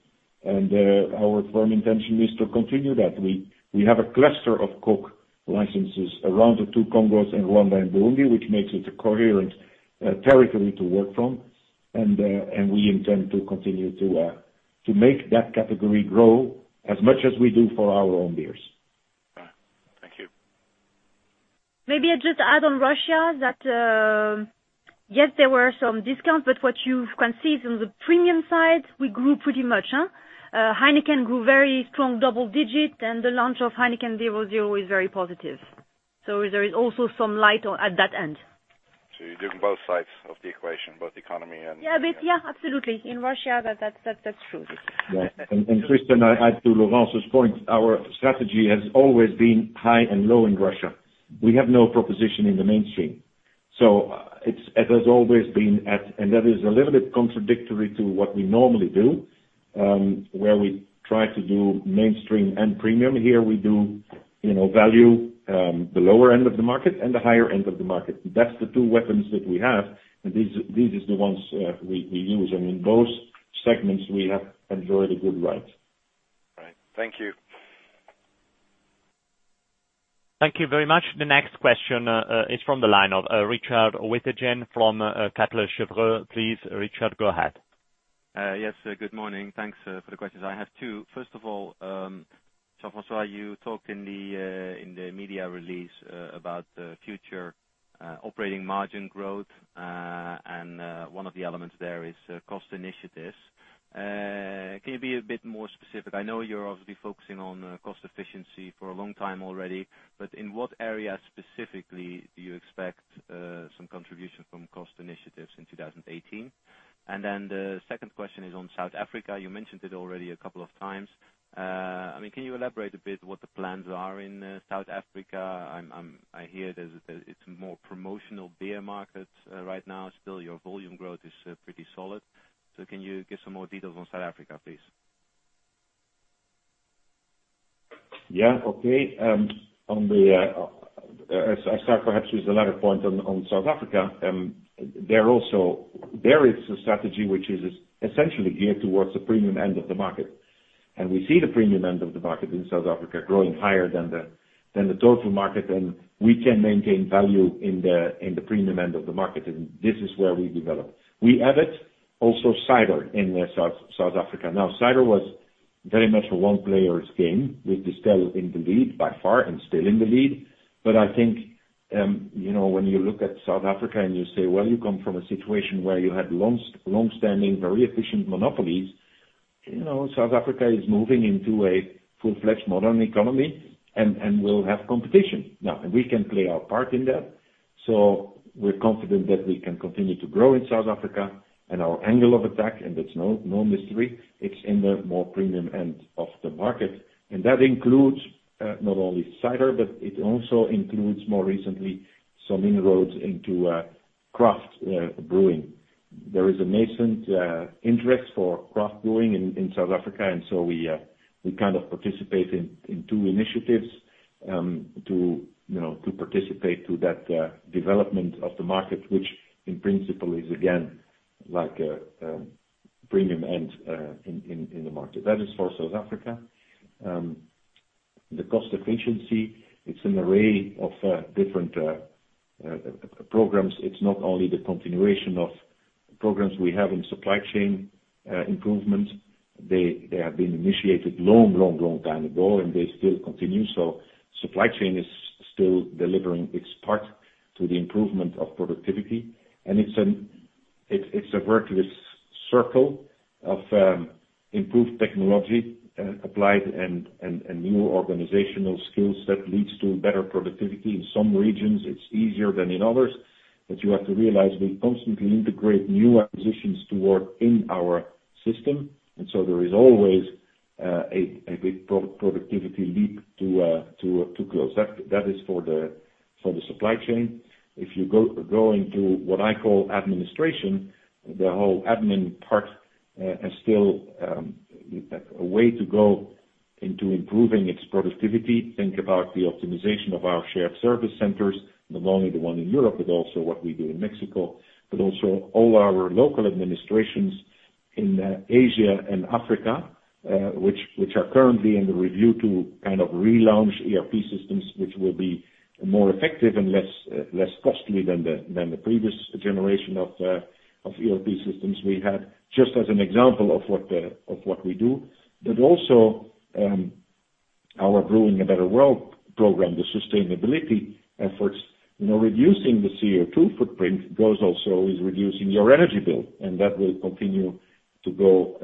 Our firm intention is to continue that. We have a cluster of Coke licenses around the two Congos and Rwanda and Burundi, which makes it a coherent territory to work from. We intend to continue to make that category grow as much as we do for our own beers. Thank you. Maybe I just add on Russia that, yes, there were some discounts, but what you can see from the premium side, we grew pretty much, huh? Heineken grew very strong double-digit, and the launch of Heineken 0.0 is very positive. There is also some light at that end. You're doing both sides of the equation, both economy and- Yeah, absolutely. In Russia, that's true. Yeah. Tristan, I add to Laurence's point, our strategy has always been high and low in Russia. We have no proposition in the mainstream. It has always been at, that is a little bit contradictory to what we normally do, where we try to do mainstream and premium. Here we do value, the lower end of the market and the higher end of the market. That's the two weapons that we have, and these is the ones we use. In both segments, we have enjoyed a good ride. Right. Thank you. Thank you very much. The next question is from the line of Richard Withagen from Kepler Cheuvreux. Please, Richard, go ahead. Yes, good morning. Thanks for the questions. I have two. First of all, Jean-François, you talked in the media release about the future operating margin growth, one of the elements there is cost initiatives. Can you be a bit more specific? I know you're obviously focusing on cost efficiency for a long time already, in what area specifically do you expect some contribution from cost initiatives in 2018? The second question is on South Africa. You mentioned it already a couple of times. Can you elaborate a bit what the plans are in South Africa? I hear that it's more promotional beer markets right now. Still, your volume growth is pretty solid. Can you give some more details on South Africa, please? Yeah. Okay. I start perhaps with the latter point on South Africa. There is a strategy which is essentially geared towards the premium end of the market. We see the premium end of the market in South Africa growing higher than the total market, and we can maintain value in the premium end of the market, and this is where we develop. We added also cider in South Africa. Cider was very much a one player's game, with Distell in the lead by far and still in the lead. I think, when you look at South Africa and you say, well, you come from a situation where you had longstanding, very efficient monopolies. South Africa is moving into a full-fledged modern economy and will have competition. We can play our part in that. We're confident that we can continue to grow in South Africa, and our angle of attack, and that's no mystery, it's in the more premium end of the market. That includes, not only cider, but it also includes more recently some inroads into craft brewing. There is a nascent interest for craft brewing in South Africa, and we kind of participate in two initiatives to participate to that development of the market, which in principle is again like a premium end in the market. That is for South Africa. The cost efficiency, it's an array of different programs. It's not only the continuation of programs we have in supply chain improvement. They have been initiated long, long, long time ago, and they still continue. Supply chain is still delivering its part to the improvement of productivity. It's a virtuous circle of improved technology applied and new organizational skills that leads to better productivity. In some regions, it's easier than in others. You have to realize we constantly integrate new acquisitions to work in our system. There is always a big productivity leap to close. That is for the supply chain. If you go into what I call administration, the whole admin part has still a way to go into improving its productivity. Think about the optimization of our shared service centers, not only the one in Europe, but also what we do in Mexico. Also all our local administrations in Asia and Africa, which are currently under review to relaunch ERP systems, which will be more effective and less costly than the previous generation of ERP systems we had. Just as an example of what we do. Also, our Brewing a Better World program, the sustainability efforts, reducing the CO2 footprint goes also with reducing your energy bill, and that will continue to go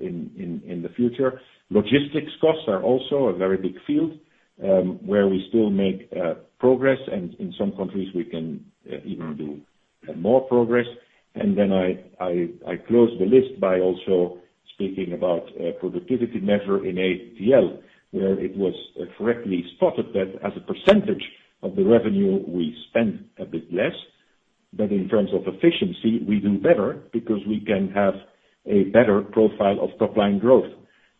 in the future. Logistics costs are also a very big field, where we still make progress, and in some countries, we can even do more progress. I close the list by also speaking about productivity measure in ATL, where it was correctly spotted that as a % of the revenue, we spend a bit less. In terms of efficiency, we do better because we can have a better profile of top-line growth.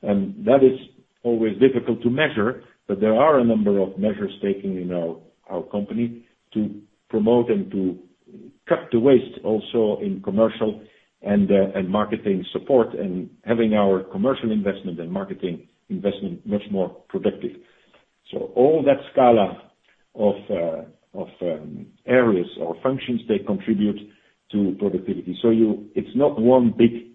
That is always difficult to measure, but there are a number of measures taken in our company to promote and to cut the waste also in commercial and marketing support, and having our commercial investment and marketing investment much more productive. All that scala of areas or functions, they contribute to productivity. It's not one big,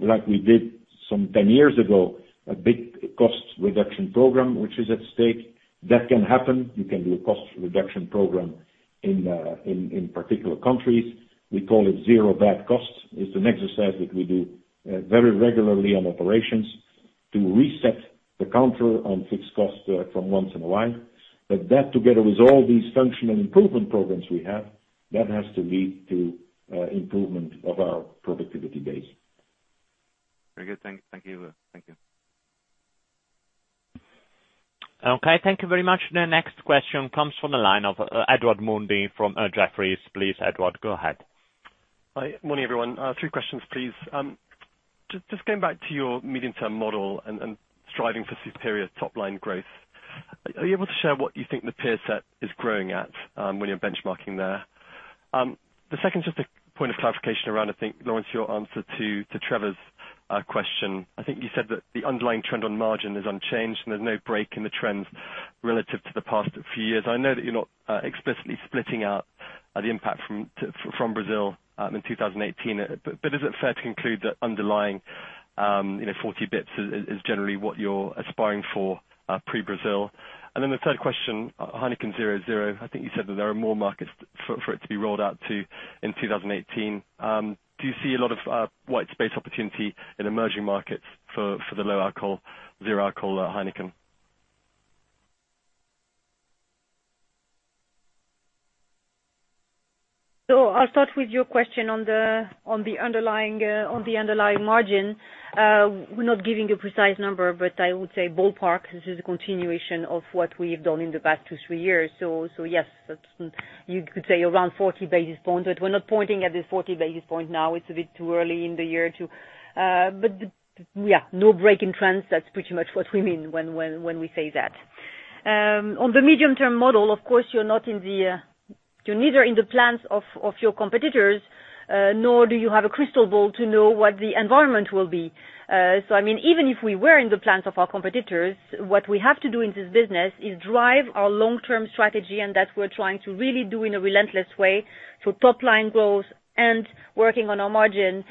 like we did some 10 years ago, a big cost reduction program which is at stake. That can happen. You can do a cost reduction program in particular countries. We call it zero-based cost. It's an exercise that we do very regularly on operations to reset the counter on fixed costs from once in a while. That together with all these functional improvement programs we have, that has to lead to improvement of our productivity base. Very good. Thank you. Okay. Thank you very much. The next question comes from the line of Edward Mundy from Jefferies. Please, Edward, go ahead. Hi. Morning, everyone. Three questions, please. Going back to your medium-term model and striving for superior top-line growth, are you able to share what you think the peer set is growing at when you're benchmarking there? The second's just a point of clarification around, I think, Laurence, your answer to Trevor's question. I think you said that the underlying trend on margin is unchanged and there's no break in the trends relative to the past few years. I know that you're not explicitly splitting out the impact from Brazil in 2018, but is it fair to conclude that underlying 40 basis points is generally what you're aspiring for pre-Brazil? The third question, Heineken 0.0, I think you said that there are more markets for it to be rolled out to in 2018. Do you see a lot of white space opportunity in emerging markets for the low-alcohol, zero-alcohol Heineken? I'll start with your question on the underlying margin. We're not giving a precise number, but I would say ballpark. This is a continuation of what we've done in the past two, three years. Yes, you could say around 40 basis points, but we're not pointing at the 40 basis points now. It's a bit too early in the year. Yeah, no break in trends. That's pretty much what we mean when we say that. On the medium-term model, of course, you're neither in the plans of your competitors, nor do you have a crystal ball to know what the environment will be. Even if we were in the plans of our competitors, what we have to do in this business is drive our long-term strategy, and that we're trying to really do in a relentless way for top-line growth and working on our margin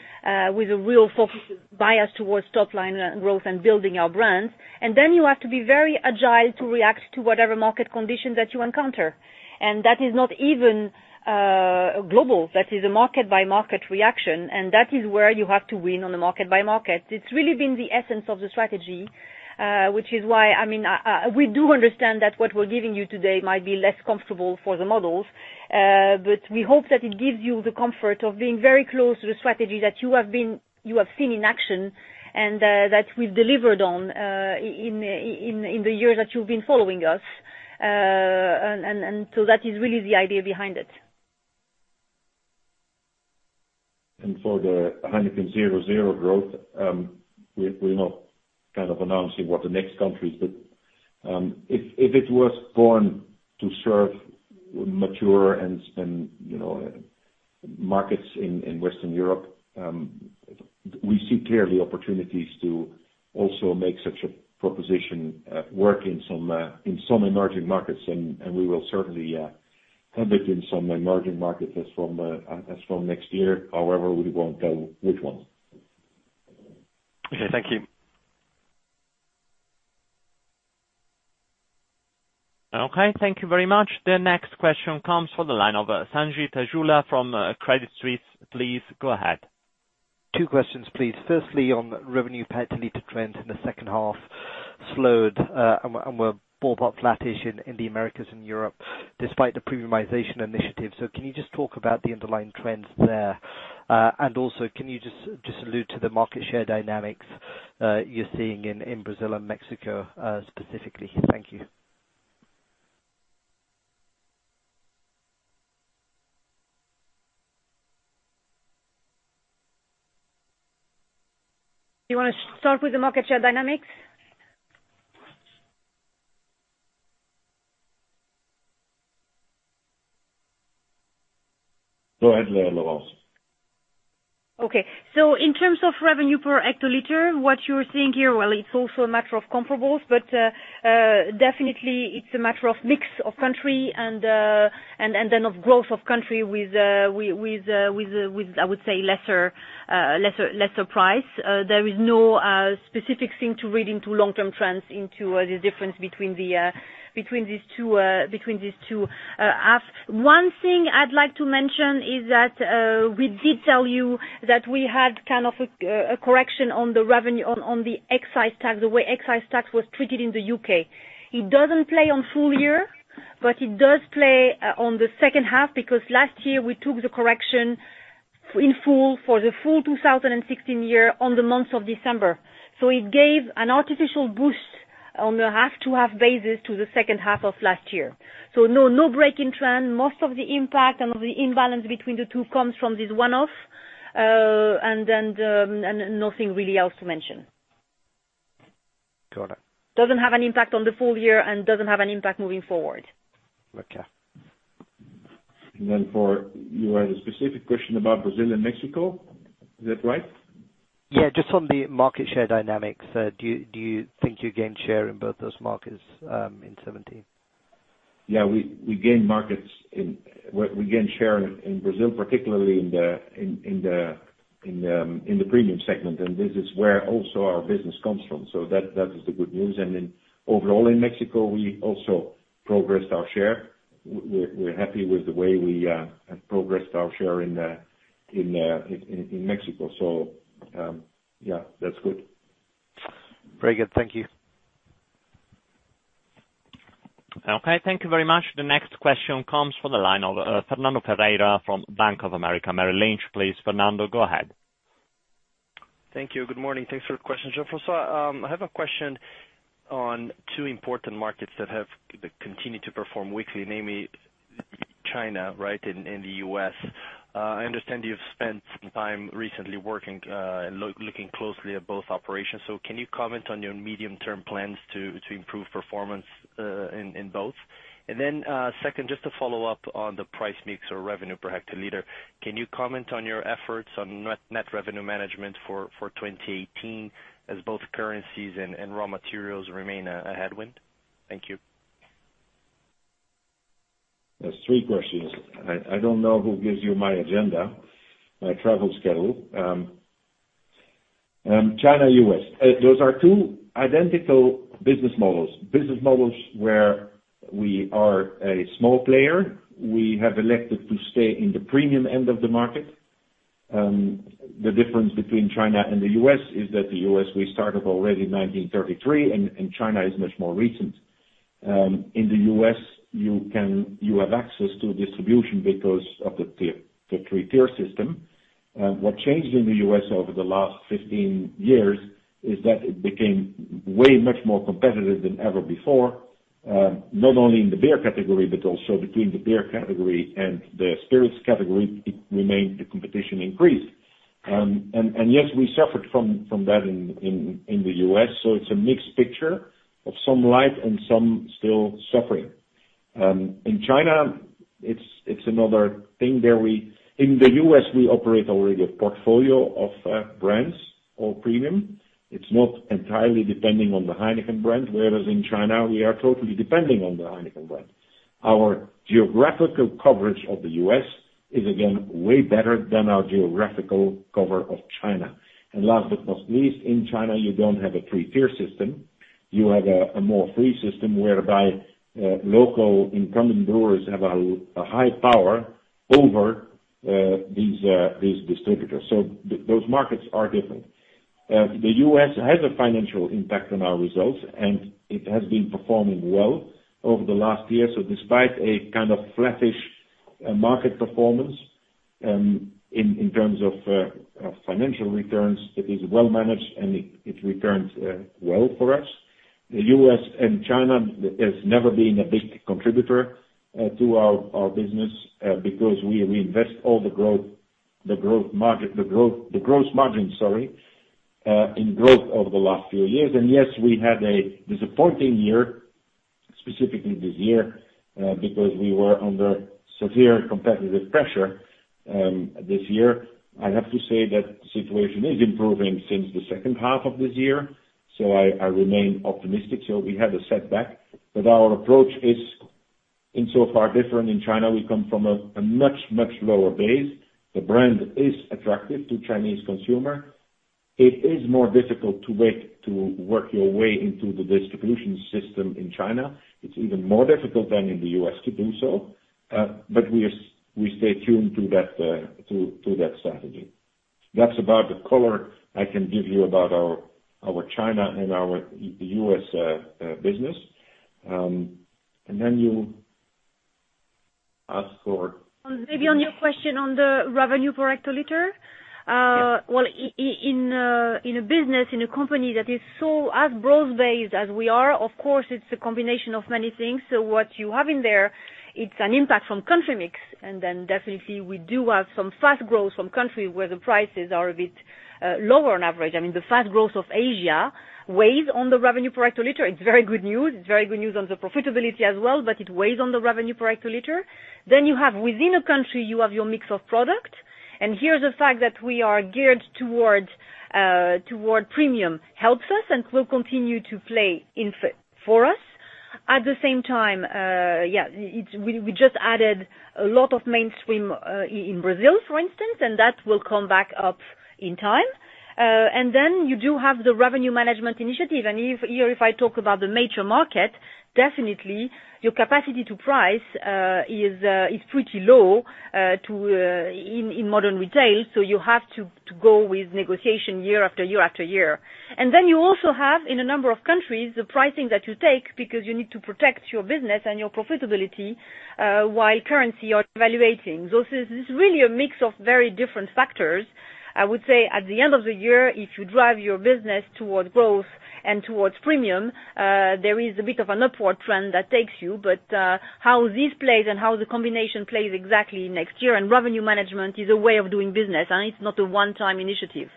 with a real focus bias towards top-line growth and building our brands. Then you have to be very agile to react to whatever market condition that you encounter. That is not even global. That is a market-by-market reaction, and that is where you have to win on the market by market. It's really been the essence of the strategy, which is why we do understand that what we're giving you today might be less comfortable for the models. We hope that it gives you the comfort of being very close to the strategy that you have seen in action and that we've delivered on in the years that you've been following us. That is really the idea behind it. For the Heineken 0.0 growth, we are not announcing what the next country is. If it was born to serve mature and spend markets in Western Europe, we see clearly opportunities to also make such a proposition work in some emerging markets, and we will certainly have it in some emerging markets as from next year. However, we will not tell which ones. Okay. Thank you. Okay, thank you very much. The next question comes from the line of Sanjeet Aujla from Credit Suisse. Please go ahead. Two questions, please. Firstly, on revenue per hectoliter trends in the second half slowed, and were more about flattish in the Americas and Europe, despite the premiumization initiative. Can you just talk about the underlying trends there? Also, can you just allude to the market share dynamics you are seeing in Brazil and Mexico, specifically? Thank you. You want to start with the market share dynamics? Go ahead, Laurence. Okay. In terms of revenue per hectoliter, what you're seeing here, well, it's also a matter of comparables, but definitely it's a matter of mix of country and then of growth of country with, I would say, lesser price. There is no specific thing to read into long-term trends into the difference between these two. One thing I'd like to mention is that, we did tell you that we had a correction on the revenue on the excise tax, the way excise tax was treated in the U.K. It doesn't play on full year, but it does play on the second half because last year we took the correction in full for the full 2016 year on the month of December. It gave an artificial boost on the half-to-half basis to the second half of last year. No breaking trend. Most of the impact and the imbalance between the two comes from this one-off, and nothing really else to mention. Got it. Doesn't have an impact on the full year and doesn't have an impact moving forward. Okay. You had a specific question about Brazil and Mexico. Is that right? Yeah, just on the market share dynamics. Do you think you gained share in both those markets in 2017? Yeah, we gained share in Brazil, particularly in the premium segment, and this is where also our business comes from. That is the good news. Overall in Mexico, we also progressed our share. We're happy with the way we have progressed our share in Mexico. Yeah, that's good. Very good. Thank you. Okay. Thank you very much. The next question comes from the line of Fernando Pereira from Bank of America Merrill Lynch. Please, Fernando, go ahead. Thank you. Good morning. Thanks for the question, Jean-François. I have a question on two important markets that have continued to perform weakly, namely China, right, and the U.S. I understand you've spent some time recently working and looking closely at both operations. Can you comment on your medium-term plans to improve performance in both? Then, second, just to follow up on the price mix or revenue per hectoliter, can you comment on your efforts on net revenue management for 2018 as both currencies and raw materials remain a headwind? Thank you. That's three questions. I don't know who gives you my agenda, my travel schedule. China, U.S. Those are two identical business models, business models where we are a small player. We have elected to stay in the premium end of the market. The difference between China and the U.S. is that the U.S., we started already in 1933, and China is much more recent. In the U.S., you have access to distribution because of the three-tier system. What changed in the U.S. over the last 15 years is that it became way much more competitive than ever before. Not only in the beer category, but also between the beer category and the spirits category, the competition increased. Yes, we suffered from that in the U.S. It's a mixed picture of some light and some still suffering. In China, it's another thing there. In the U.S., we operate already a portfolio of brands, all premium. It's not entirely depending on the Heineken brand, whereas in China we are totally depending on the Heineken brand. Our geographical coverage of the U.S. is again, way better than our geographical cover of China. Last but not least, in China, you don't have a three-tier system. You have a more free system whereby local incumbent brewers have a high power over these distributors. Those markets are different. The U.S. has a financial impact on our results, and it has been performing well over the last year. Despite a kind of flattish market performance, in terms of financial returns, it is well managed, and it returns well for us. The U.S. and China has never been a big contributor to our business because we reinvest all the gross margin in growth over the last few years. Yes, we had a disappointing year, specifically this year, because we were under severe competitive pressure this year. I have to say that the situation is improving since the second half of this year, so I remain optimistic. We had a setback, but our approach is consistent In so far different in China, we come from a much, much lower base. The brand is attractive to Chinese consumer. It is more difficult to work your way into the distribution system in China. It's even more difficult than in the U.S. to do so. We stay tuned to that strategy. That's about the color I can give you about our China and our U.S. business. You ask for- Maybe on your question on the revenue per hectoliter. Yes. Well, in a business, in a company that is so as broad-based as we are, of course, it's a combination of many things. what you have in there, it's an impact from country mix. definitely we do have some fast growth from country where the prices are a bit lower on average. I mean, the fast growth of Asia weighs on the revenue per hectoliter. It's very good news. It's very good news on the profitability as well, but it weighs on the revenue per hectoliter. you have within a country, you have your mix of product. here's the fact that we are geared towards premium helps us and will continue to play in for us. At the same time, yeah, we just added a lot of mainstream, in Brazil, for instance, and that will come back up in time. you do have the revenue management initiative, and if here if I talk about the major market, definitely your capacity to price is pretty low, in modern retail, so you have to go with negotiation year after year after year. you also have, in a number of countries, the pricing that you take because you need to protect your business and your profitability, while currency are devaluating. So this is really a mix of very different factors. I would say at the end of the year, if you drive your business towards growth and towards premium, there is a bit of an upward trend that takes you. But, how this plays and how the combination plays exactly next year, and revenue management is a way of doing business, and it's not a one-time initiative.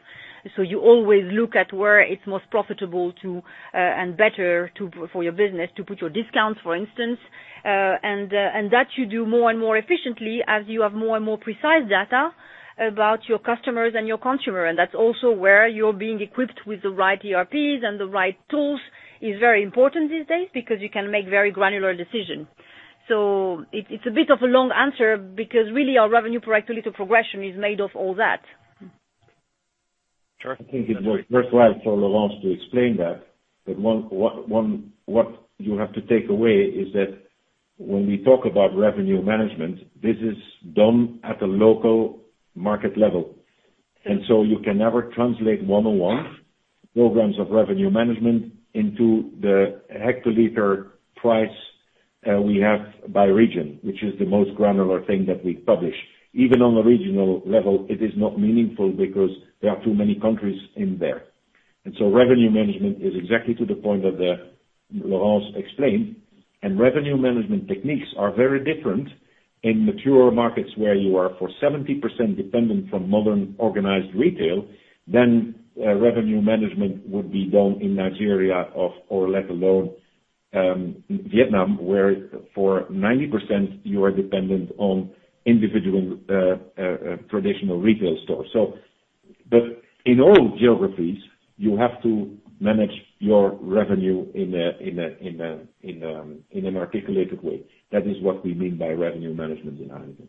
you always look at where it's most profitable to, and better for your business to put your discounts, for instance. And that you do more and more efficiently as you have more and more precise data about your customers and your consumer. And that's also where you're being equipped with the right ERPs and the right tools is very important these days because you can make very granular decision. So it's a bit of a long answer because really our revenue per hectoliter progression is made of all that. Charles. I think it was worthwhile for Laurence to explain that. But what you have to take away is that when we talk about revenue management, this is done at a local market level. And so you can never translate one-on-one programs of revenue management into the hectoliter price we have by region, which is the most granular thing that we publish. Even on a regional level, it is not meaningful because there are too many countries in there. And so revenue management is exactly to the point that Laurence explained, and revenue management techniques are very different in mature markets where you are for 70% dependent from modern organized retail than revenue management would be done in Nigeria or let alone Vietnam, where for 90% you are dependent on individual traditional retail stores. But in all geographies, you have to manage your revenue in an articulated way. That is what we mean by revenue management in Heineken.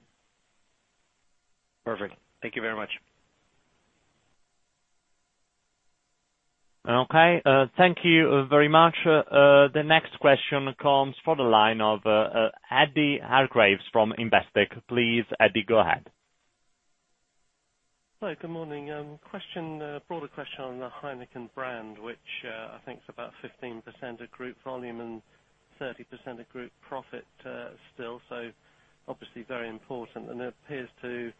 Perfect. Thank you very much. Okay. Thank you very much. The next question comes from the line of, Eddy Hargreaves from Investec. Please, Eddie, go ahead. Hi, good morning. Broader question on the Heineken brand, which I think is about 15% of group volume and 30% of group profit still. Obviously very important. It appears to,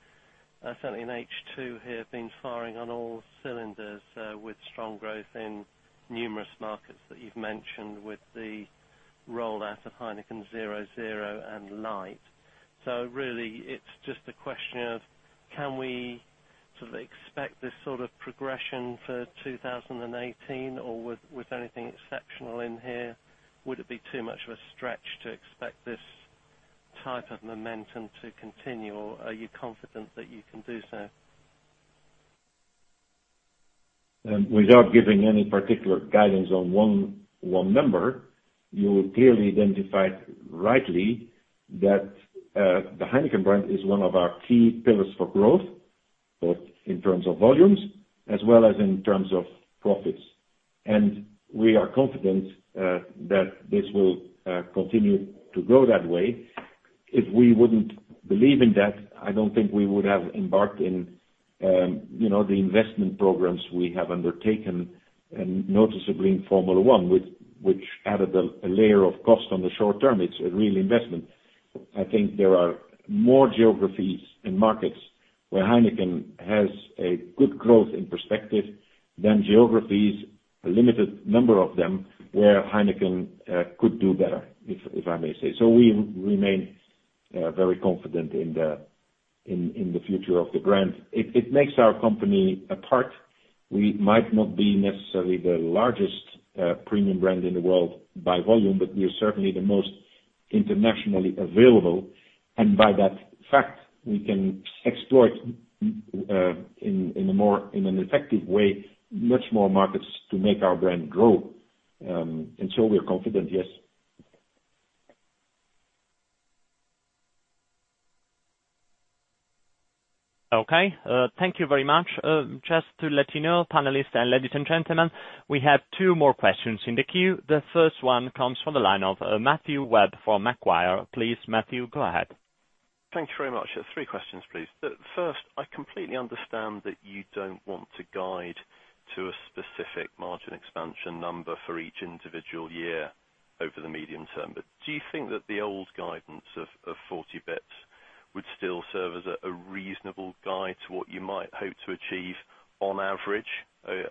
certainly in H2 here, been firing on all cylinders, with strong growth in numerous markets that you've mentioned with the roll out of Heineken 00 and Light. Really it's just a question of, can we sort of expect this sort of progression for 2018 or with anything exceptional in here? Would it be too much of a stretch to expect this type of momentum to continue? Are you confident that you can do so? Without giving any particular guidance on one member, you clearly identified rightly that the Heineken brand is one of our key pillars for growth, both in terms of volumes as well as in terms of profits. we are confident that this will continue to grow that way. If we wouldn't believe in that, I don't think we would have embarked in the investment programs we have undertaken, and noticeably in Formula 1, which added a layer of cost on the short term. It's a real investment. I think there are more geographies and markets where Heineken has a good growth in perspective than geographies, a limited number of them, where Heineken could do better, if I may say. we remain very confident in the future of the brand. It makes our company apart. We might not be necessarily the largest premium brand in the world by volume, but we are certainly the most internationally available. By that fact, we can exploit in a more effective way, much more markets to make our brand grow. we're confident, yes. Okay. Thank you very much. Just to let you know, panelists and ladies and gentlemen, we have two more questions in the queue. The first one comes from the line of Matthew Webb from Macquarie. Please, Matthew, go ahead. Thank you very much. Three questions, please. First, I completely understand that you don't want to guide to a specific margin expansion number for each individual year over the medium term, but do you think that the old guidance of 40 basis points would still serve as a reasonable guide to what you might hope to achieve on average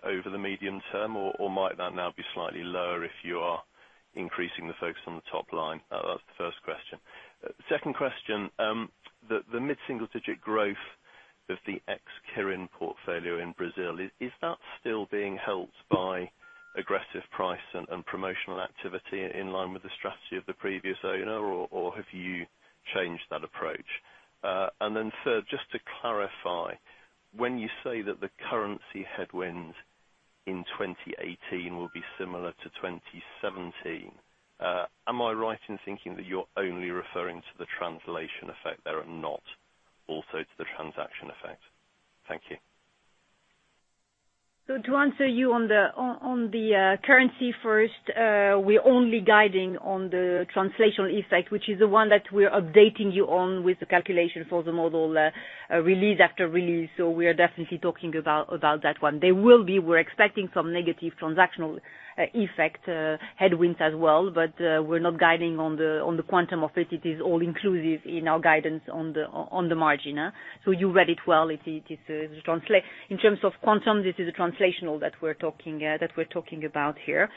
over the medium term? Might that now be slightly lower if you are increasing the focus on the top line? That's the first question. Second question. The mid-single-digit growth of the ex Kirin portfolio in Brazil, is that still being helped by aggressive price and promotional activity in line with the strategy of the previous owner, or have you changed that approach? third, just to clarify, when you say that the currency headwind in 2018 will be similar to 2017, am I right in thinking that you're only referring to the translation effect there and not also to the transaction effect? Thank you. to answer you on the currency first, we're only guiding on the translational effect, which is the one that we're updating you on with the calculation for the model, release after release. We are definitely talking about that one. We're expecting some negative transactional effect headwinds as well, but we're not guiding on the quantum of it. It is all inclusive in our guidance on the margin. You read it well. In terms of quantum, this is a translational that we're talking about here.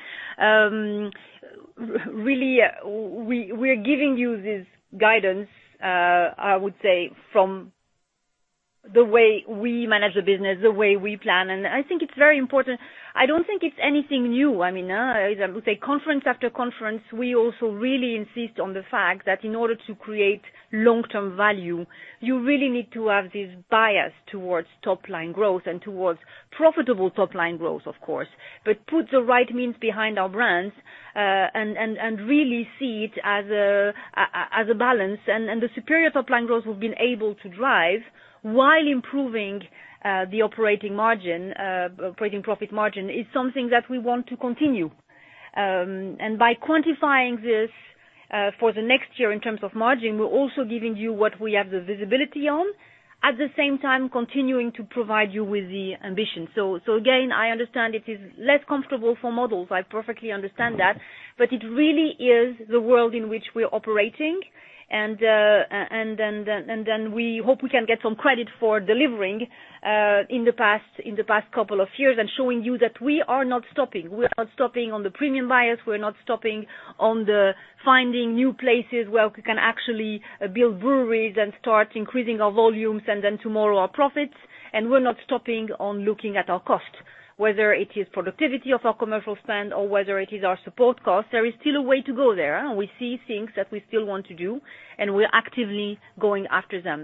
Really, we are giving you this guidance, I would say, from the way we manage the business, the way we plan, and I think it's very important. I don't think it's anything new. Conference after conference, we also really insist on the fact that in order to create long-term value, you really need to have this bias towards top line growth and towards profitable top line growth, of course. put the right means behind our brands, and really see it as a balance. the superior top line growth we've been able to drive while improving the operating profit margin is something that we want to continue. by quantifying this for the next year in terms of margin, we're also giving you what we have the visibility on, at the same time continuing to provide you with the ambition. again, I understand it is less comfortable for models. I perfectly understand that, but it really is the world in which we are operating. we hope we can get some credit for delivering in the past couple of years and showing you that we are not stopping. We are not stopping on the premium buyers. We're not stopping on the finding new places where we can actually build breweries and start increasing our volumes and then tomorrow, our profits. we're not stopping on looking at our cost, whether it is productivity of our commercial spend or whether it is our support costs. There is still a way to go there. We see things that we still want to do, and we're actively going after them.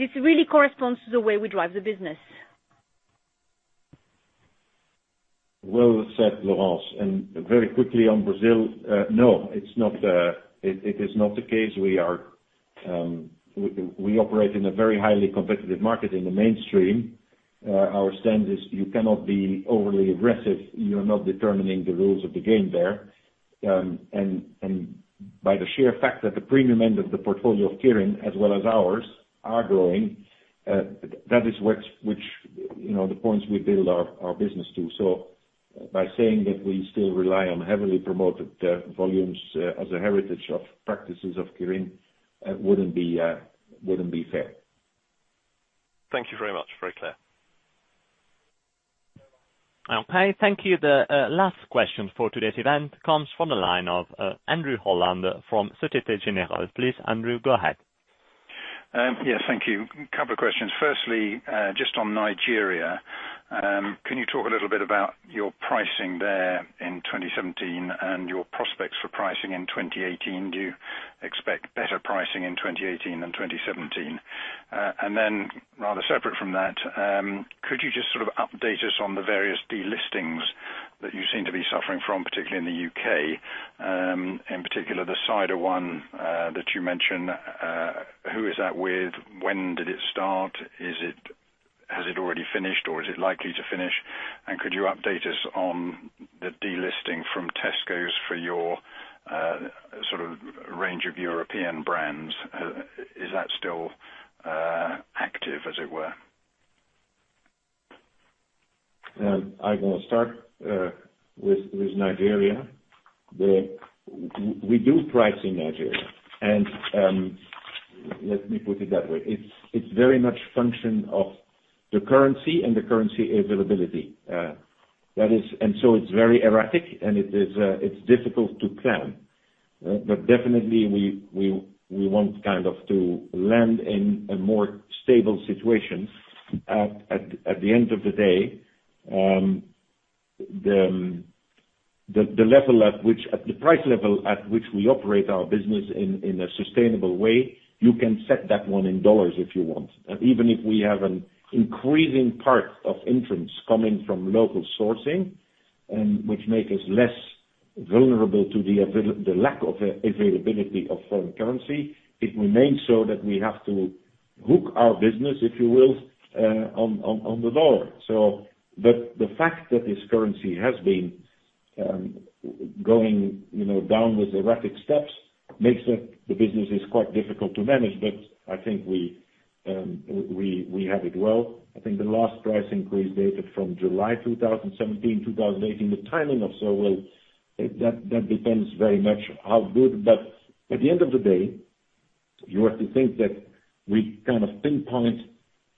this really corresponds to the way we drive the business. Well said, Laurence. Very quickly on Brazil, no, it is not the case. We operate in a very highly competitive market in the mainstream. Our stand is you cannot be overly aggressive. You're not determining the rules of the game there. By the sheer fact that the premium end of the portfolio of Kirin as well as ours are growing, that is which the points we build our business to. By saying that we still rely on heavily promoted volumes as a heritage of practices of Kirin wouldn't be fair. Thank you very much. Very clear. Okay, thank you. The last question for today's event comes from the line of Andrew Holland from Société Générale. Please, Andrew, go ahead. Yeah, thank you. Couple of questions. Firstly, just on Nigeria. Can you talk a little bit about your pricing there in 2017 and your prospects for pricing in 2018? Do you expect better pricing in 2018 than 2017? Rather separate from that, could you just sort of update us on the various delistings that you seem to be suffering from, particularly in the U.K., in particular, the cider one that you mentioned. Who is that with? When did it start? Has it already finished, or is it likely to finish? Could you update us on the delisting from Tesco for your range of European brands? Is that still active as it were? I'm going to start with Nigeria. We do price in Nigeria. Let me put it that way. It's very much function of the currency and the currency availability. It's very erratic, and it's difficult to plan. Definitely, we want to land in a more stable situation. At the end of the day, the price level at which we operate our business in a sustainable way, you can set that one in dollars if you want. Even if we have an increasing part of entrants coming from local sourcing, which make us less vulnerable to the lack of availability of foreign currency, it remains so that we have to hook our business, if you will, on the dollar. The fact that this currency has been going down with erratic steps makes it, the business is quite difficult to manage, but I think we have it well. I think the last price increase dated from July 2017, 2018. The timing of so will That depends very much how good. At the end of the day, you have to think that we kind of pinpoint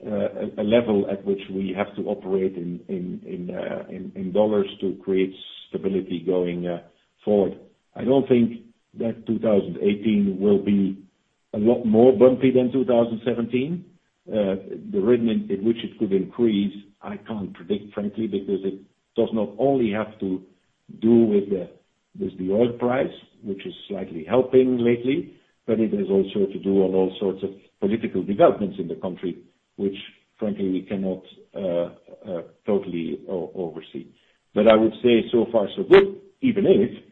a level at which we have to operate in dollars to create stability going forward. I don't think that 2018 will be a lot more bumpy than 2017. The regimen in which it could increase, I can't predict, frankly, because it does not only have to do with the oil price, which is slightly helping lately, but it has also to do on all sorts of political developments in the country, which frankly, we cannot totally oversee. I would say so far so good, even if,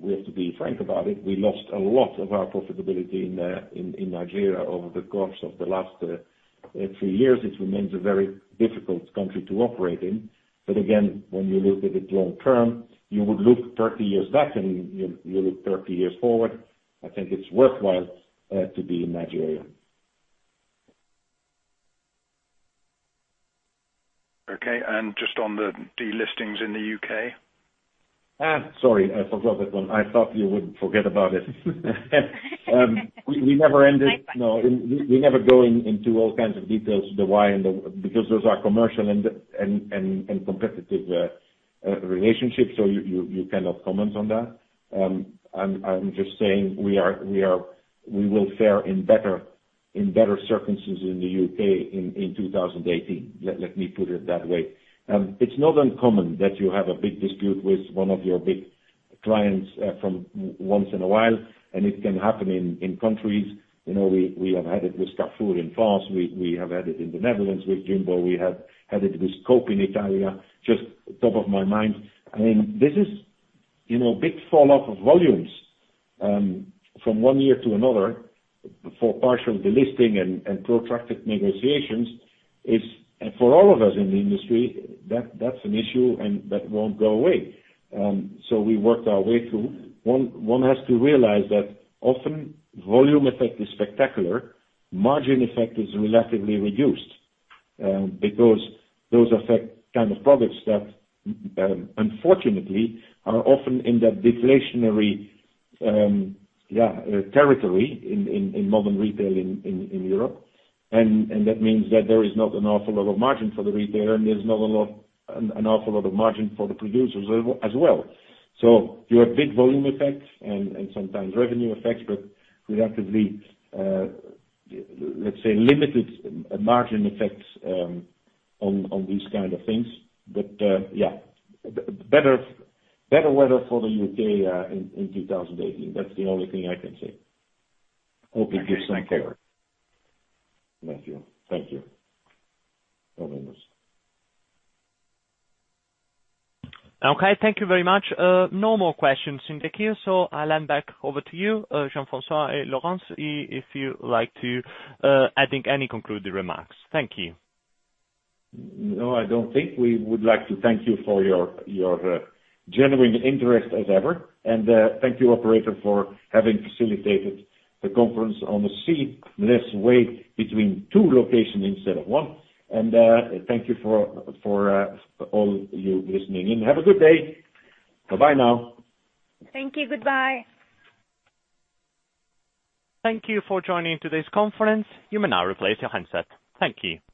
we have to be frank about it, we lost a lot of our profitability in Nigeria over the course of the last three years. It remains a very difficult country to operate in. Again, when you look at it long term, you would look 30 years back and you look 30 years forward, I think it's worthwhile to be in Nigeria. Okay, and just on the delistings in the UK. Sorry, I forgot that one. I thought you would forget about it. We never go into all kinds of details, the why and the. Those are commercial and competitive relationships, so you cannot comment on that. I'm just saying we will fare in better circumstances in the U.K. in 2018. Let me put it that way. It's not uncommon that you have a big dispute with one of your big clients once in a while, and it can happen in countries. We have had it with Carrefour in France. We have had it in the Netherlands with Jumbo. We have had it with Coop in Italy. Just top of mind. This is big falloff of volumes from one year to another for partial delisting and protracted negotiations is for all of us in the industry, that's an issue and that won't go away. We worked our way through. One has to realize that often volume effect is spectacular, margin effect is relatively reduced, because those affect kind of products that, unfortunately, are often in that deflationary territory in modern retail in Europe. That means that there is not an awful lot of margin for the retailer, and there's not an awful lot of margin for the producers as well. You have big volume effects and sometimes revenue effects, but relatively, let's say limited margin effects on these kind of things. Better weather for the U.K. in 2018. That's the only thing I can say. Hope it gives some clarity. Thank you. Okay, thank you very much. No more questions in the queue, so Alain, back over to you. Jean-François, Laurence, if you like to add in any concluding remarks. Thank you. No, I don't think. We would like to thank you for your genuine interest as ever. Thank you, operator, for having facilitated the conference on the seamless wait between two locations instead of one. Thank you for all you listening in. Have a good day. Bye now. Thank you. Goodbye. Thank you for joining today's conference. You may now replace your handset. Thank you.